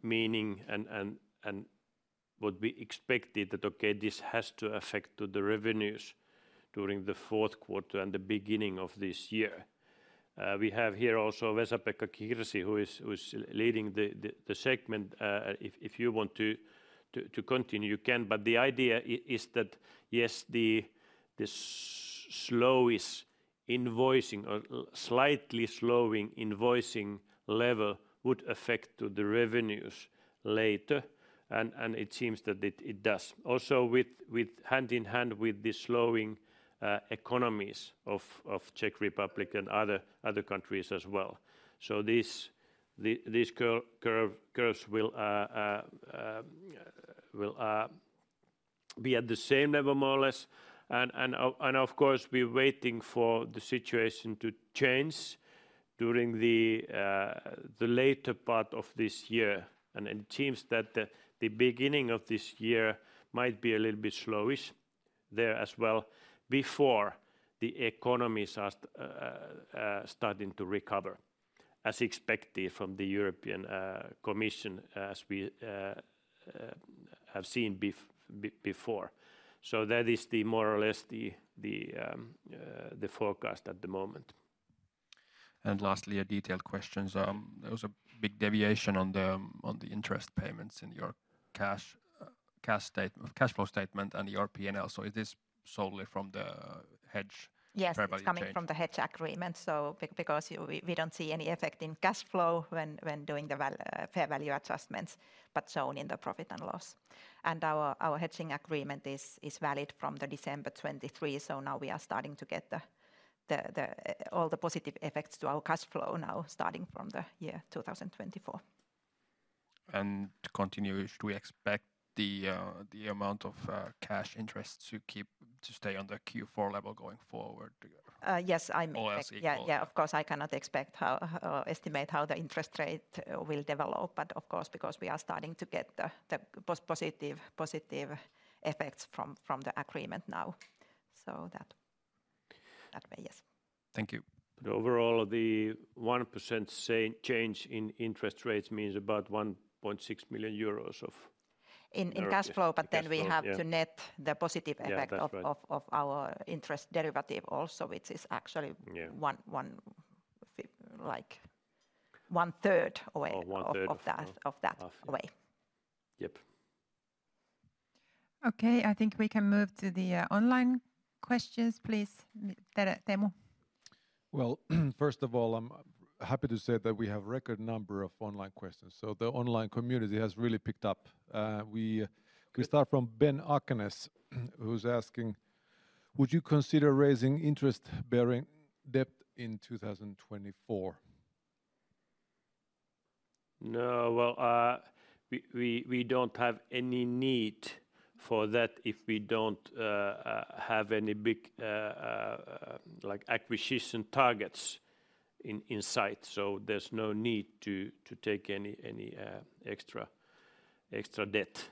[SPEAKER 2] meaning and what we expected that, okay, this has to affect the revenues during the fourth quarter and the beginning of this year. We have here also Vesa-Pekka Kirsi, who is leading the segment. If you want to continue, you can. But the idea is that, yes, the slowest invoicing or slightly slowing invoicing level would affect the revenues later. And it seems that it does. Also hand in hand with the slowing economies of Czech Republic and other countries as well. So these curves will be at the same level, more or less. And of course, we're waiting for the situation to change during the later part of this year. It seems that the beginning of this year might be a little bit slowish there as well before the economies are starting to recover as expected from the European Commission, as we have seen before. That is more or less the forecast at the moment.
[SPEAKER 5] Lastly, a detailed question. There was a big deviation on the interest payments in your cash flow statement and your P&L. Is this solely from the hedge prevalence?
[SPEAKER 3] Yes, it's coming from the hedge agreement. So because we don't see any effect in cash flow when doing the fair value adjustments, but shown in the profit and loss. And our hedging agreement is valid from December 2023. So now we are starting to get all the positive effects to our cash flow now starting from the year 2024.
[SPEAKER 5] To continue, should we expect the amount of cash interest to stay on the Q4 level going forward?
[SPEAKER 3] Yes, I expect.
[SPEAKER 5] Or as equal?
[SPEAKER 3] Yeah, yeah, of course, I cannot estimate how the interest rate will develop. But of course, because we are starting to get the positive effects from the agreement now. So that way, yes.
[SPEAKER 5] Thank you.
[SPEAKER 2] Overall, the 1% change in interest rates means about 1.6 million euros of...
[SPEAKER 3] In cash flow, but then we have to net the positive effect of our interest derivative also, which is actually like one third away of that way.
[SPEAKER 2] Yep.
[SPEAKER 1] Okay, I think we can move to the online questions, please. Teemu?
[SPEAKER 7] Well, first of all, I'm happy to say that we have a record number of online questions. So the online community has really picked up. We start from Ben Akenes, who's asking, Would you consider raising interest-bearing debt in 2024?
[SPEAKER 2] No, well, we don't have any need for that if we don't have any big acquisition targets in sight. So there's no need to take any extra debt.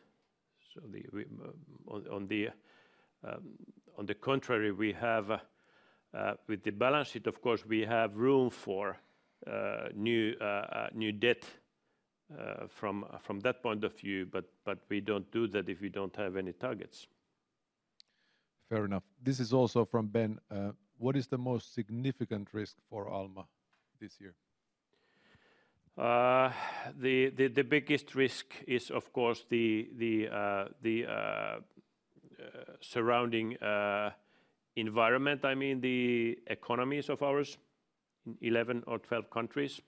[SPEAKER 2] On the contrary, with the balance sheet, of course, we have room for new debt from that point of view. But we don't do that if we don't have any targets.
[SPEAKER 7] Fair enough. This is also from Ben. What is the most significant risk for Alma this year?
[SPEAKER 2] The biggest risk is, of course, the surrounding environment. I mean, the economies of ours in 11 or 12 countries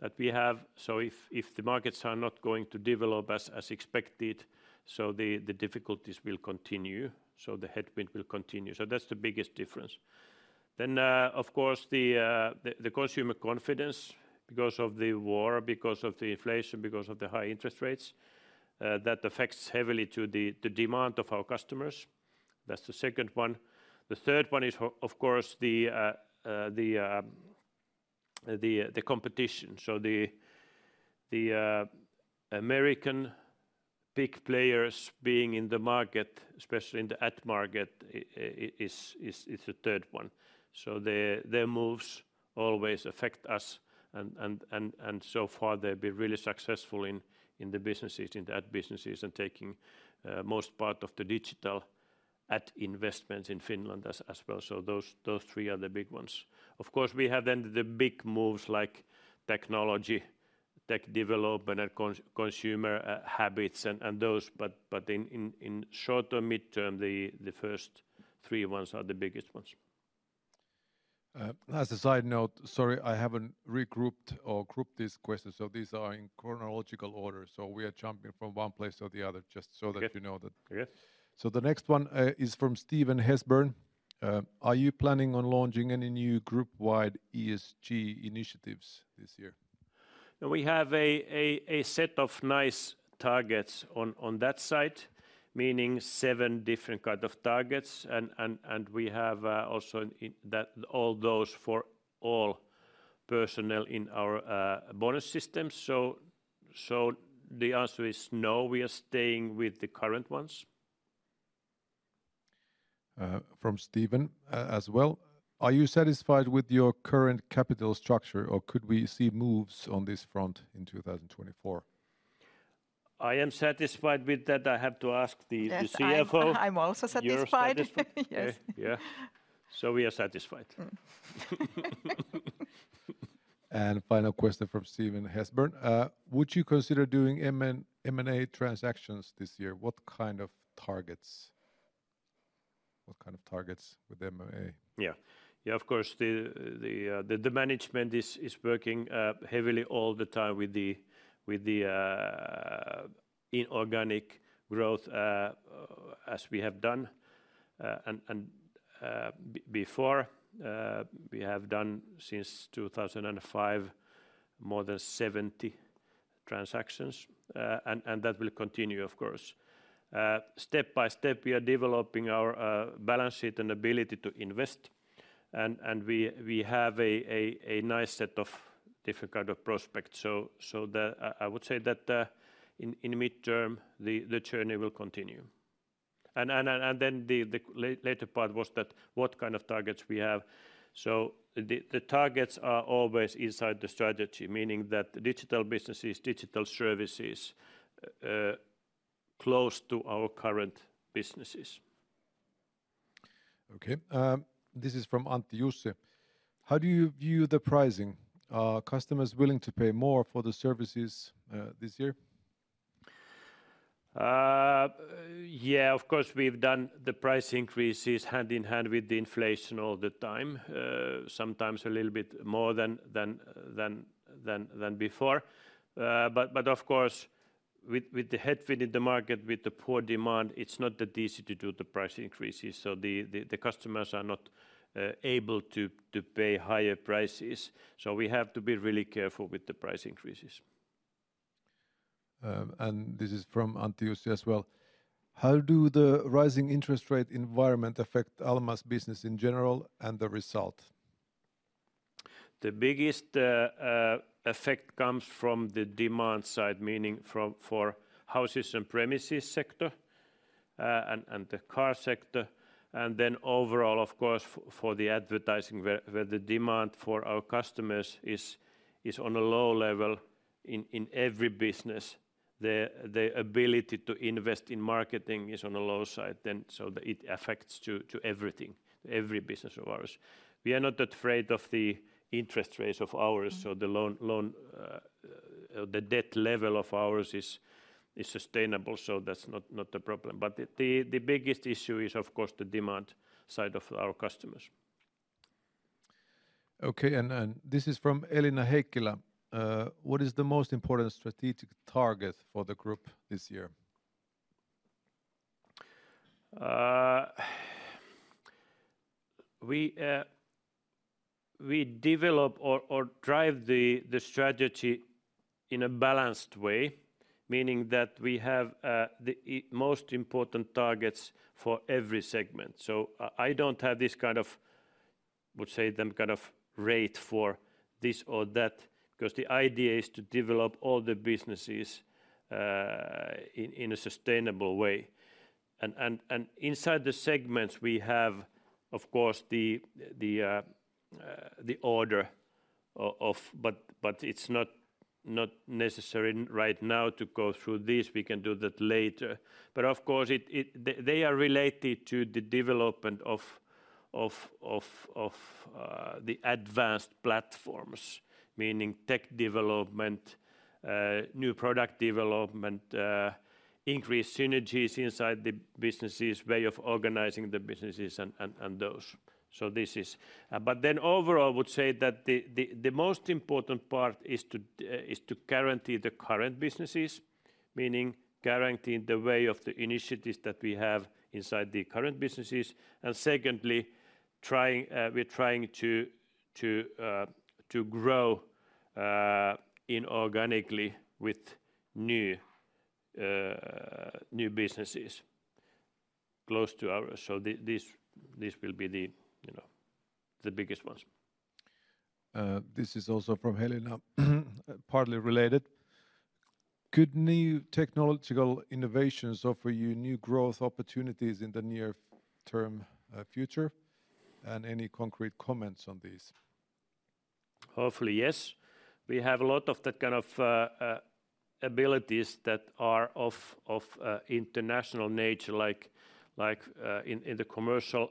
[SPEAKER 2] that we have. So if the markets are not going to develop as expected, so the difficulties will continue. So the headwind will continue. So that's the biggest difference. Then, of course, the consumer confidence because of the war, because of the inflation, because of the high interest rates, that affects heavily the demand of our customers. That's the second one. The third one is, of course, the competition. So the American big players being in the market, especially in the ad-market, is the third one. So their moves always affect us. And so far, they've been really successful in the businesses, in the ad-businesses, and taking most part of the digital ad-investments in Finland as well. So those three are the big ones. Of course, we have then the big moves like technology, tech development, and consumer habits and those. But in short and mid-term, the first three ones are the biggest ones.
[SPEAKER 7] As a side note, sorry, I haven't regrouped or grouped these questions. So these are in chronological order. So we are jumping from one place to the other just so that you know that. So the next one is from Steven Hesburn. Are you planning on launching any new group-wide ESG initiatives this year?
[SPEAKER 2] We have a set of nice targets on that side, meaning seven different kinds of targets. We have also all those for all personnel in our bonus systems. The answer is no. We are staying with the current ones.
[SPEAKER 7] From Steven as well. Are you satisfied with your current capital structure or could we see moves on this front in 2024?
[SPEAKER 2] I am satisfied with that. I have to ask the CFO.
[SPEAKER 3] I'm also satisfied.
[SPEAKER 2] Yes, yes. So we are satisfied.
[SPEAKER 7] Final question from Steven Hesburn. Would you consider doing M&A transactions this year? What kind of targets with M&A?
[SPEAKER 2] Yeah, yeah, of course, the management is working heavily all the time with the inorganic growth as we have done before. We have done, since 2005, more than 70 transactions. And that will continue, of course. Step by step, we are developing our balance sheet and ability to invest. And we have a nice set of different kinds of prospects. So I would say that in mid-term, the journey will continue. And then the later part was that what kind of targets we have. So the targets are always inside the strategy, meaning that digital businesses, digital services close to our current businesses.
[SPEAKER 7] Okay. This is from Antti-Jussi. How do you view the pricing? Are customers willing to pay more for the services this year?
[SPEAKER 2] Yeah, of course, we've done the price increases hand in hand with the inflation all the time, sometimes a little bit more than before. But of course, with the headwind in the market, with the poor demand, it's not that easy to do the price increases. So the customers are not able to pay higher prices. So we have to be really careful with the price increases.
[SPEAKER 7] This is from Antti-Jussi as well. How do the rising interest rate environment affect Alma's business in general and the result?
[SPEAKER 2] The biggest effect comes from the demand side, meaning for houses and premises sector and the car sector. And then overall, of course, for the advertising, where the demand for our customers is on a low level in every business, the ability to invest in marketing is on a low side. So it affects everything, every business of ours. We are not that afraid of the interest rates of ours. So the debt level of ours is sustainable. So that's not a problem. But the biggest issue is, of course, the demand side of our customers.
[SPEAKER 7] Okay. This is from Elina Heikkilä. What is the most important strategic target for the group this year?
[SPEAKER 2] We develop or drive the strategy in a balanced way, meaning that we have the most important targets for every segment. So I don't have this kind of, I would say, kind of rate for this or that because the idea is to develop all the businesses in a sustainable way. And inside the segments, we have, of course, the order of... But it's not necessary right now to go through this. We can do that later. But of course, they are related to the development of the advanced platforms, meaning tech development, new product development, increased synergies inside the businesses, way of organizing the businesses, and those. So this is... But then overall, I would say that the most important part is to guarantee the current businesses, meaning guaranteeing the way of the initiatives that we have inside the current businesses. Secondly, we're trying to grow inorganically with new businesses close to ours. These will be the biggest ones.
[SPEAKER 7] This is also from Elina, partly related. Could new technological innovations offer you new growth opportunities in the near-term future? And any concrete comments on these?
[SPEAKER 2] Hopefully, yes. We have a lot of that kind of abilities that are of international nature, like in the commercial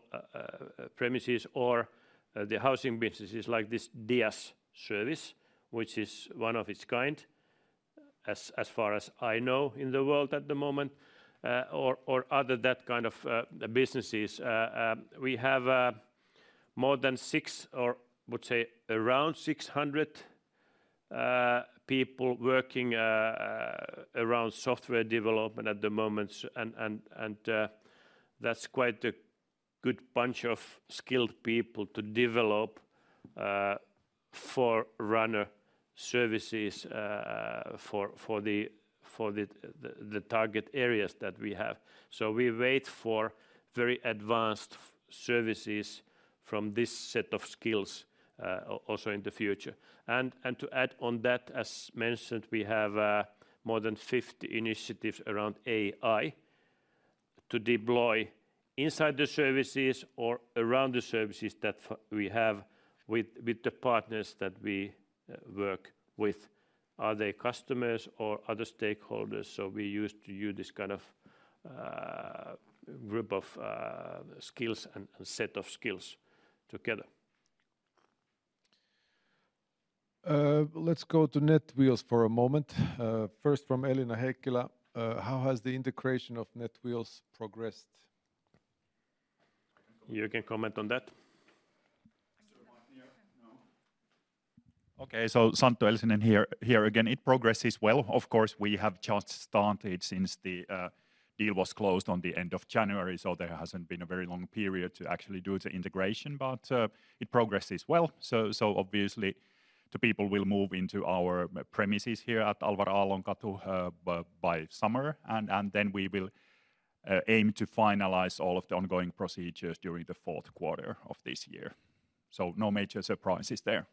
[SPEAKER 2] premises or the housing businesses, like this DIAS service, which is one of its kind, as far as I know in the world at the moment, or other that kind of businesses. We have more than six or, I would say, around 600 people working around software development at the moment. And that's quite a good bunch of skilled people to develop forerunner services for the target areas that we have. So we wait for very advanced services from this set of skills also in the future. And to add on that, as mentioned, we have more than 50 initiatives around AI to deploy inside the services or around the services that we have with the partners that we work with, other customers or other stakeholders. We use this kind of group of skills and set of skills together.
[SPEAKER 7] Let's go to Netwheels for a moment. First from Elina Heikkilä. How has the integration of Netwheels progressed?
[SPEAKER 2] You can comment on that.
[SPEAKER 6] Okay, so Santtu Elsinen here again. It progresses well. Of course, we have just started since the deal was closed on the end of January. So there hasn't been a very long period to actually do the integration. But it progresses well. So obviously, the people will move into our premises here at Alvar Aallon katu by summer. And then we will aim to finalize all of the ongoing procedures during the fourth quarter of this year. So no major surprises there.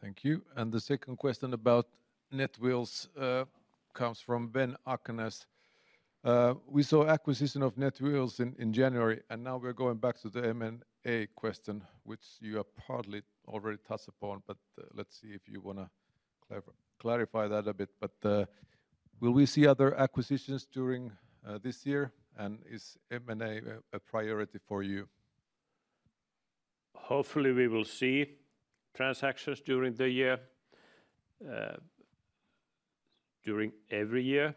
[SPEAKER 7] Thank you. And the second question about Netwheels comes from Ben Akenes. We saw acquisition of Netwheels in January. And now we're going back to the M&A question, which you have partly already touched upon. But let's see if you want to clarify that a bit. But will we see other acquisitions during this year? And is M&A a priority for you?
[SPEAKER 2] Hopefully, we will see transactions during the year, during every year,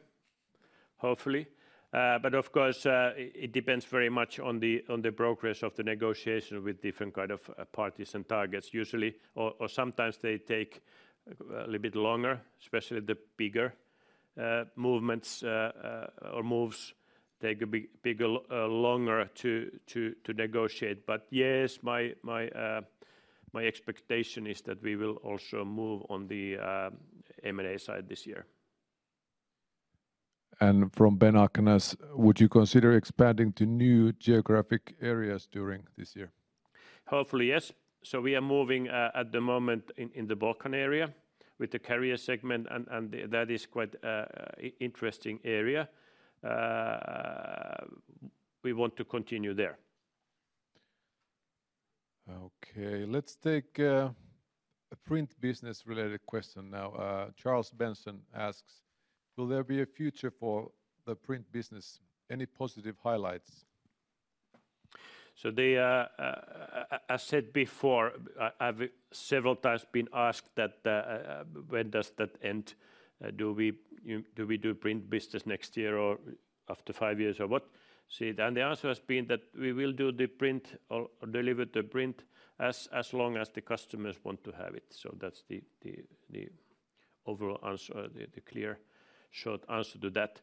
[SPEAKER 2] hopefully. But of course, it depends very much on the progress of the negotiation with different kinds of parties and targets, usually. Or sometimes they take a little bit longer, especially the bigger movements or moves take a bit longer to negotiate. But yes, my expectation is that we will also move on the M&A side this year.
[SPEAKER 7] From Ben Akenes, would you consider expanding to new geographic areas during this year?
[SPEAKER 2] Hopefully, yes. So we are moving at the moment in the Balkan area with the Career segment. And that is quite an interesting area. We want to continue there.
[SPEAKER 7] Okay. Let's take a print business-related question now. Charles Benson asks, will there be a future for the print business? Any positive highlights?
[SPEAKER 2] So as said before, I've several times been asked that when does that end? Do we do print business next year or after five years or what? The answer has been that we will do the print or deliver the print as long as the customers want to have it. So that's the overall answer, the clear, short answer to that.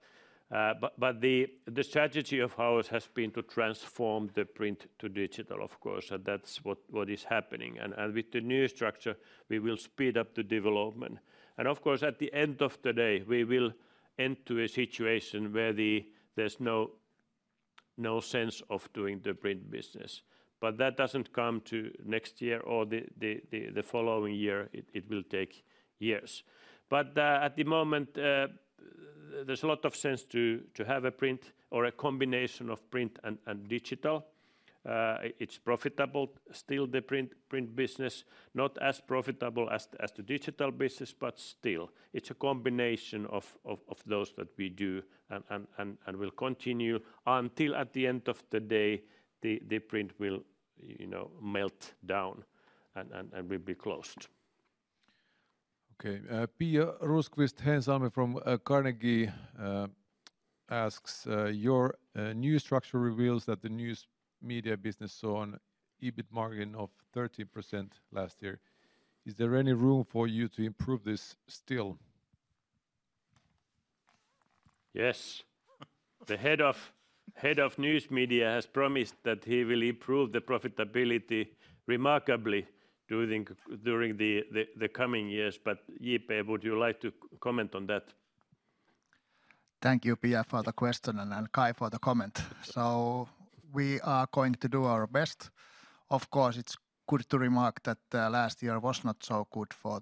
[SPEAKER 2] But the strategy of ours has been to transform the print to digital, of course. That's what is happening. With the new structure, we will speed up the development. Of course, at the end of the day, we will end to a situation where there's no sense of doing the print business. But that doesn't come to next year or the following year. It will take years. At the moment, there's a lot of sense to have a print or a combination of print and digital. It's profitable still, the print business, not as profitable as the digital business, but still. It's a combination of those that we do and will continue until at the end of the day, the print will melt down and will be closed.
[SPEAKER 7] Okay. Pia Rosqvist-Heinsalmi from Carnegie asks, your new structure reveals that the News Media business saw an EBIT margin of 13% last year. Is there any room for you to improve this still?
[SPEAKER 2] Yes. The Head of News Media has promised that he will improve the profitability remarkably during the coming years. But J-P, would you like to comment on that?
[SPEAKER 8] Thank you, Pia, for the question and Kai for the comment. So we are going to do our best. Of course, it's good to remark that last year was not so good for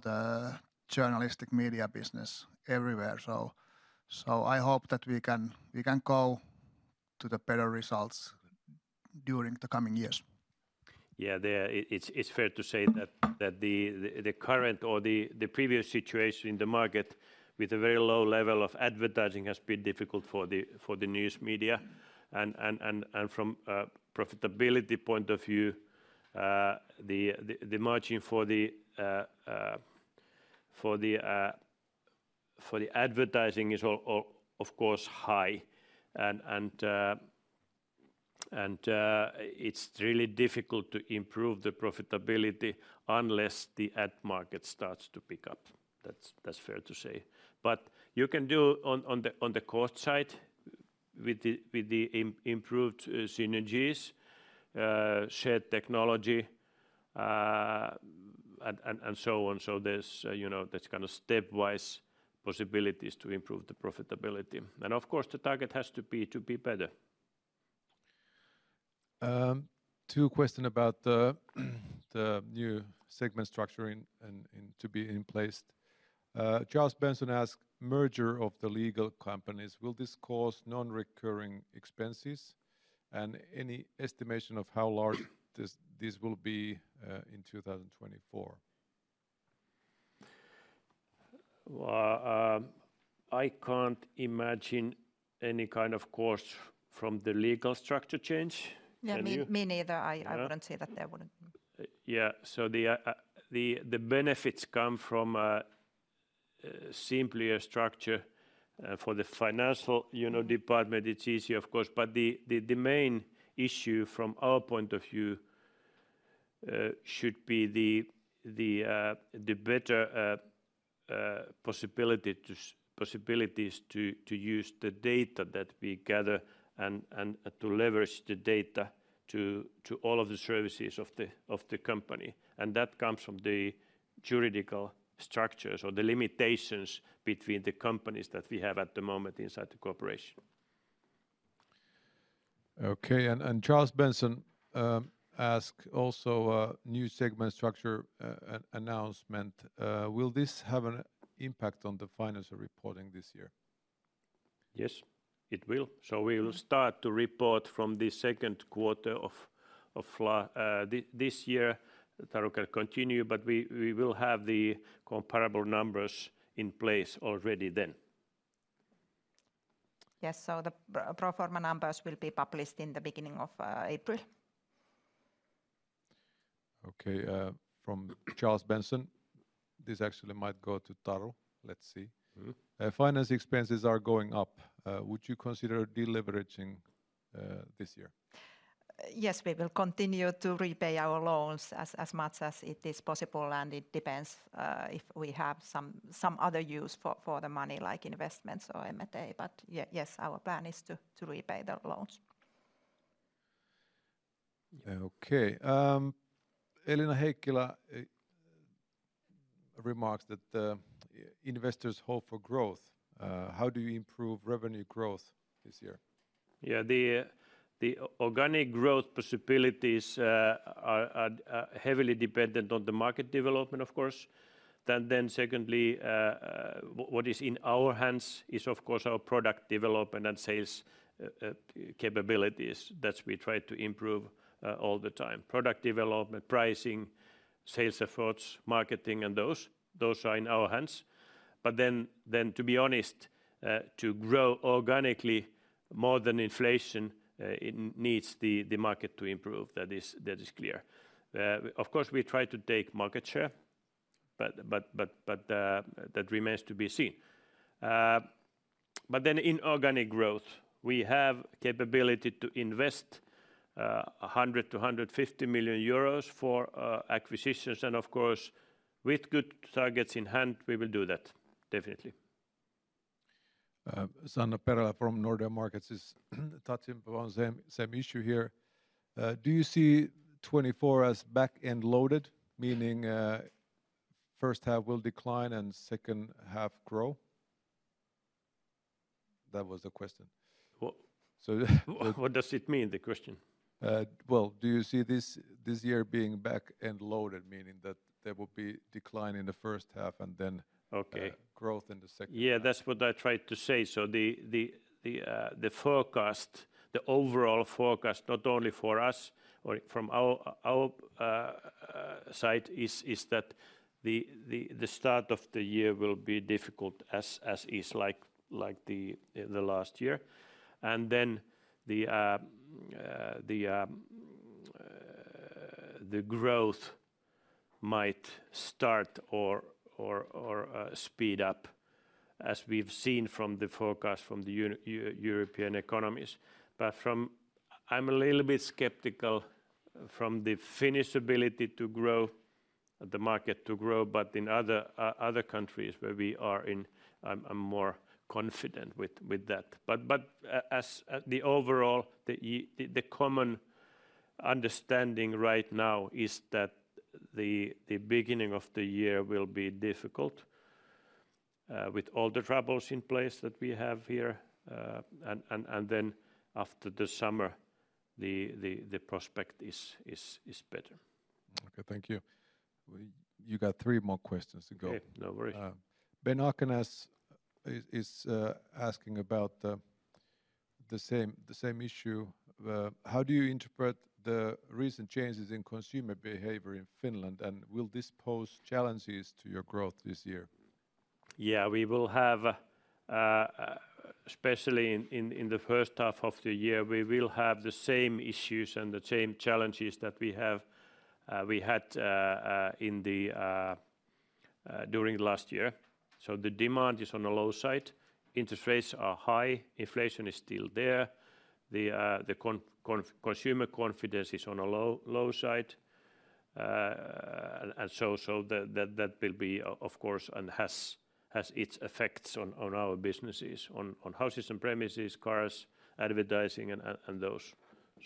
[SPEAKER 8] the journalistic media business everywhere. So I hope that we can go to better results during the coming years.
[SPEAKER 2] Yeah, it's fair to say that the current or the previous situation in the market with a very low level of advertising has been difficult for the News Media. From a profitability point of view, the margin for the advertising is, of course, high. It's really difficult to improve the profitability unless the ad market starts to pick up. That's fair to say. But you can do on the cost side with the improved synergies, shared technology, and so on. There's kind of stepwise possibilities to improve the profitability. Of course, the target has to be better.
[SPEAKER 7] Two questions about the new segment structuring to be in place. Charles Benson asks: Merger of the legal companies, will this cause non-recurring expenses? And any estimation of how large this will be in 2024?
[SPEAKER 2] I can't imagine any kind of cost from the legal structure change.
[SPEAKER 3] Yeah, me neither. I wouldn't say that there wouldn't be.
[SPEAKER 2] Yeah. So the benefits come from a simpler structure. For the financial department, it's easy, of course. But the main issue from our point of view should be the better possibilities to use the data that we gather and to leverage the data to all of the services of the company. And that comes from the juridical structures or the limitations between the companies that we have at the moment inside the corporation.
[SPEAKER 7] Okay. Charles Benson asks also a new segment structure announcement. Will this have an impact on the financial reporting this year?
[SPEAKER 2] Yes, it will. So we will start to report from the second quarter of this year. Taru can continue. But we will have the comparable numbers in place already then.
[SPEAKER 3] Yes. So the pro forma numbers will be published in the beginning of April.
[SPEAKER 7] Okay. From Charles Benson, this actually might go to Taru. Let's see. Finance expenses are going up. Would you consider deleveraging this year?
[SPEAKER 3] Yes, we will continue to repay our loans as much as it is possible. And it depends if we have some other use for the money, like investments or M&A. But yes, our plan is to repay the loans.
[SPEAKER 7] Okay. Elina Heikkilä remarks that investors hope for growth. How do you improve revenue growth this year?
[SPEAKER 2] Yeah, the organic growth possibilities are heavily dependent on the market development, of course. Then secondly, what is in our hands is, of course, our product development and sales capabilities that we try to improve all the time. Product development, pricing, sales efforts, marketing, and those are in our hands. But then to be honest, to grow organically more than inflation needs the market to improve. That is clear. Of course, we try to take market share. But that remains to be seen. But then in organic growth, we have capability to invest 100 million-150 million euros for acquisitions. And of course, with good targets in hand, we will do that, definitely.
[SPEAKER 7] Sanna Perälä from Nordea Markets is touching upon the same issue here. Do you see 2024 as back-end loaded, meaning first half will decline and second half grow? That was the question.
[SPEAKER 2] What does it mean, the question?
[SPEAKER 7] Well, do you see this year being back-end loaded, meaning that there will be decline in the first half and then growth in the second?
[SPEAKER 2] Yeah, that's what I tried to say. So the forecast, the overall forecast, not only for us or from our side, is that the start of the year will be difficult as is, like the last year. And then the growth might start or speed up, as we've seen from the forecast from the European economies. But I'm a little bit skeptical from the feasibility to grow, the market to grow. But in other countries where we are in, I'm more confident with that. But the overall, the common understanding right now is that the beginning of the year will be difficult with all the troubles in place that we have here. And then after the summer, the prospect is better.
[SPEAKER 7] Okay. Thank you. You got three more questions to go.
[SPEAKER 2] Okay. No worries.
[SPEAKER 7] Ben Akenes is asking about the same issue. How do you interpret the recent changes in consumer behavior in Finland? Will this pose challenges to your growth this year?
[SPEAKER 2] Yeah, we will have, especially in the first half of the year, we will have the same issues and the same challenges that we had during last year. The demand is on the low side. Interest rates are high. Inflation is still there. The consumer confidence is on the low side. And so that will be, of course, and has its effects on our businesses, on houses and premises, cars, advertising, and those.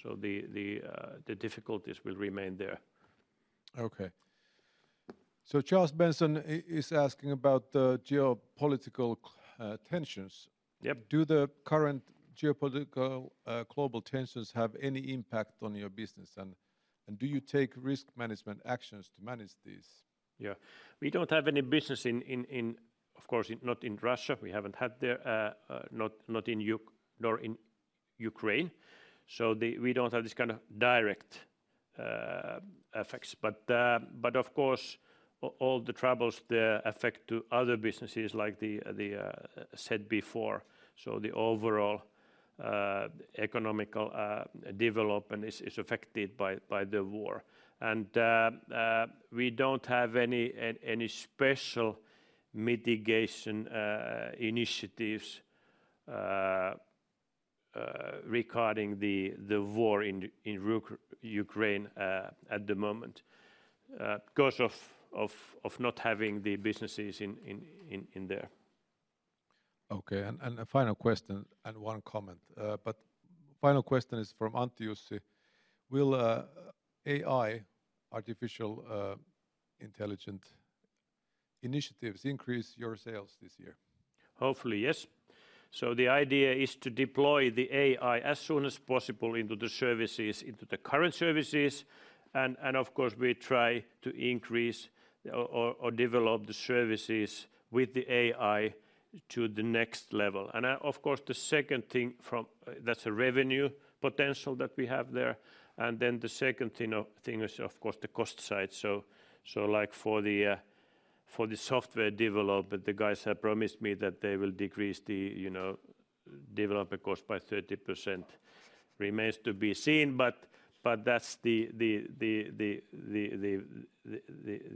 [SPEAKER 2] The difficulties will remain there.
[SPEAKER 7] Okay. So Charles Benson is asking about the geopolitical tensions. Do the current geopolitical global tensions have any impact on your business? And do you take risk management actions to manage these?
[SPEAKER 2] Yeah. We don't have any business in, of course, not in Russia. We haven't had there, not in Ukraine. So we don't have this kind of direct effects. But of course, all the troubles there affect other businesses, like I said before. So the overall economic development is affected by the war. And we don't have any special mitigation initiatives regarding the war in Ukraine at the moment because of not having the businesses in there.
[SPEAKER 7] Okay. A final question and one comment. Final question is from Antti-Jussi. Will AI, artificial intelligence initiatives, increase your sales this year?
[SPEAKER 2] Hopefully, yes. So the idea is to deploy the AI as soon as possible into the services, into the current services. And of course, we try to increase or develop the services with the AI to the next level. And of course, the second thing, that's a revenue potential that we have there. And then the second thing is, of course, the cost side. So like for the software development, the guys have promised me that they will decrease the developer cost by 30%. Remains to be seen. But that's the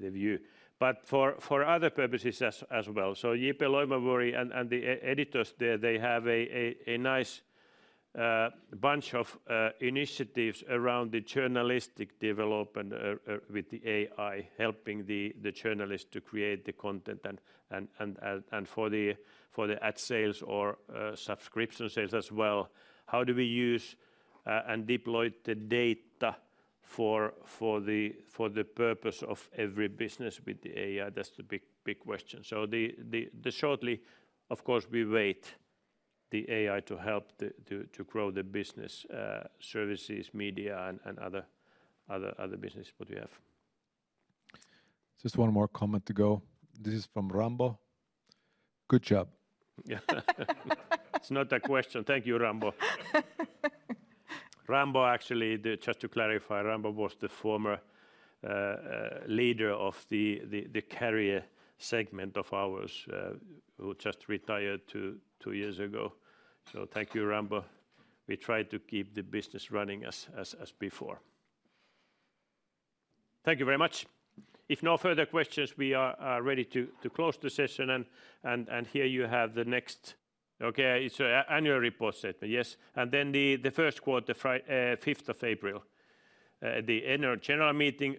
[SPEAKER 2] view. But for other purposes as well. So J-P Loimovuori and the editors there, they have a nice bunch of initiatives around the journalistic development with the AI, helping the journalists to create the content. And for the ad sales or subscription sales as well, how do we use and deploy the data for the purpose of every business with the AI? That's the big question. So shortly, of course, we wait for the AI to help to grow the business, services, media, and other businesses that we have.
[SPEAKER 7] Just one more comment to go. This is from Rambo. Good job.
[SPEAKER 2] Yeah. It's not a question. Thank you, Rambo. Rambo, actually, just to clarify, Rambo was the former leader of the Career segment of ours, who just retired two years ago. So thank you, Rambo. We try to keep the business running as before. Thank you very much. If no further questions, we are ready to close the session. And here you have the next. Okay. It's an annual report statement. Yes. And then the first quarter, 5th of April. The Annual General Meeting,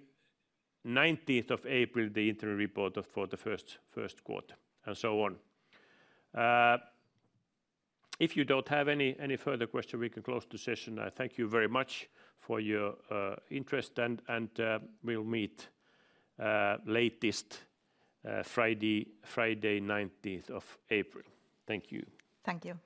[SPEAKER 2] 19th of April, the interim report for the first quarter, and so on. If you don't have any further questions, we can close the session. I thank you very much for your interest. And we'll meet latest Friday, 19th of April. Thank you.
[SPEAKER 3] Thank you.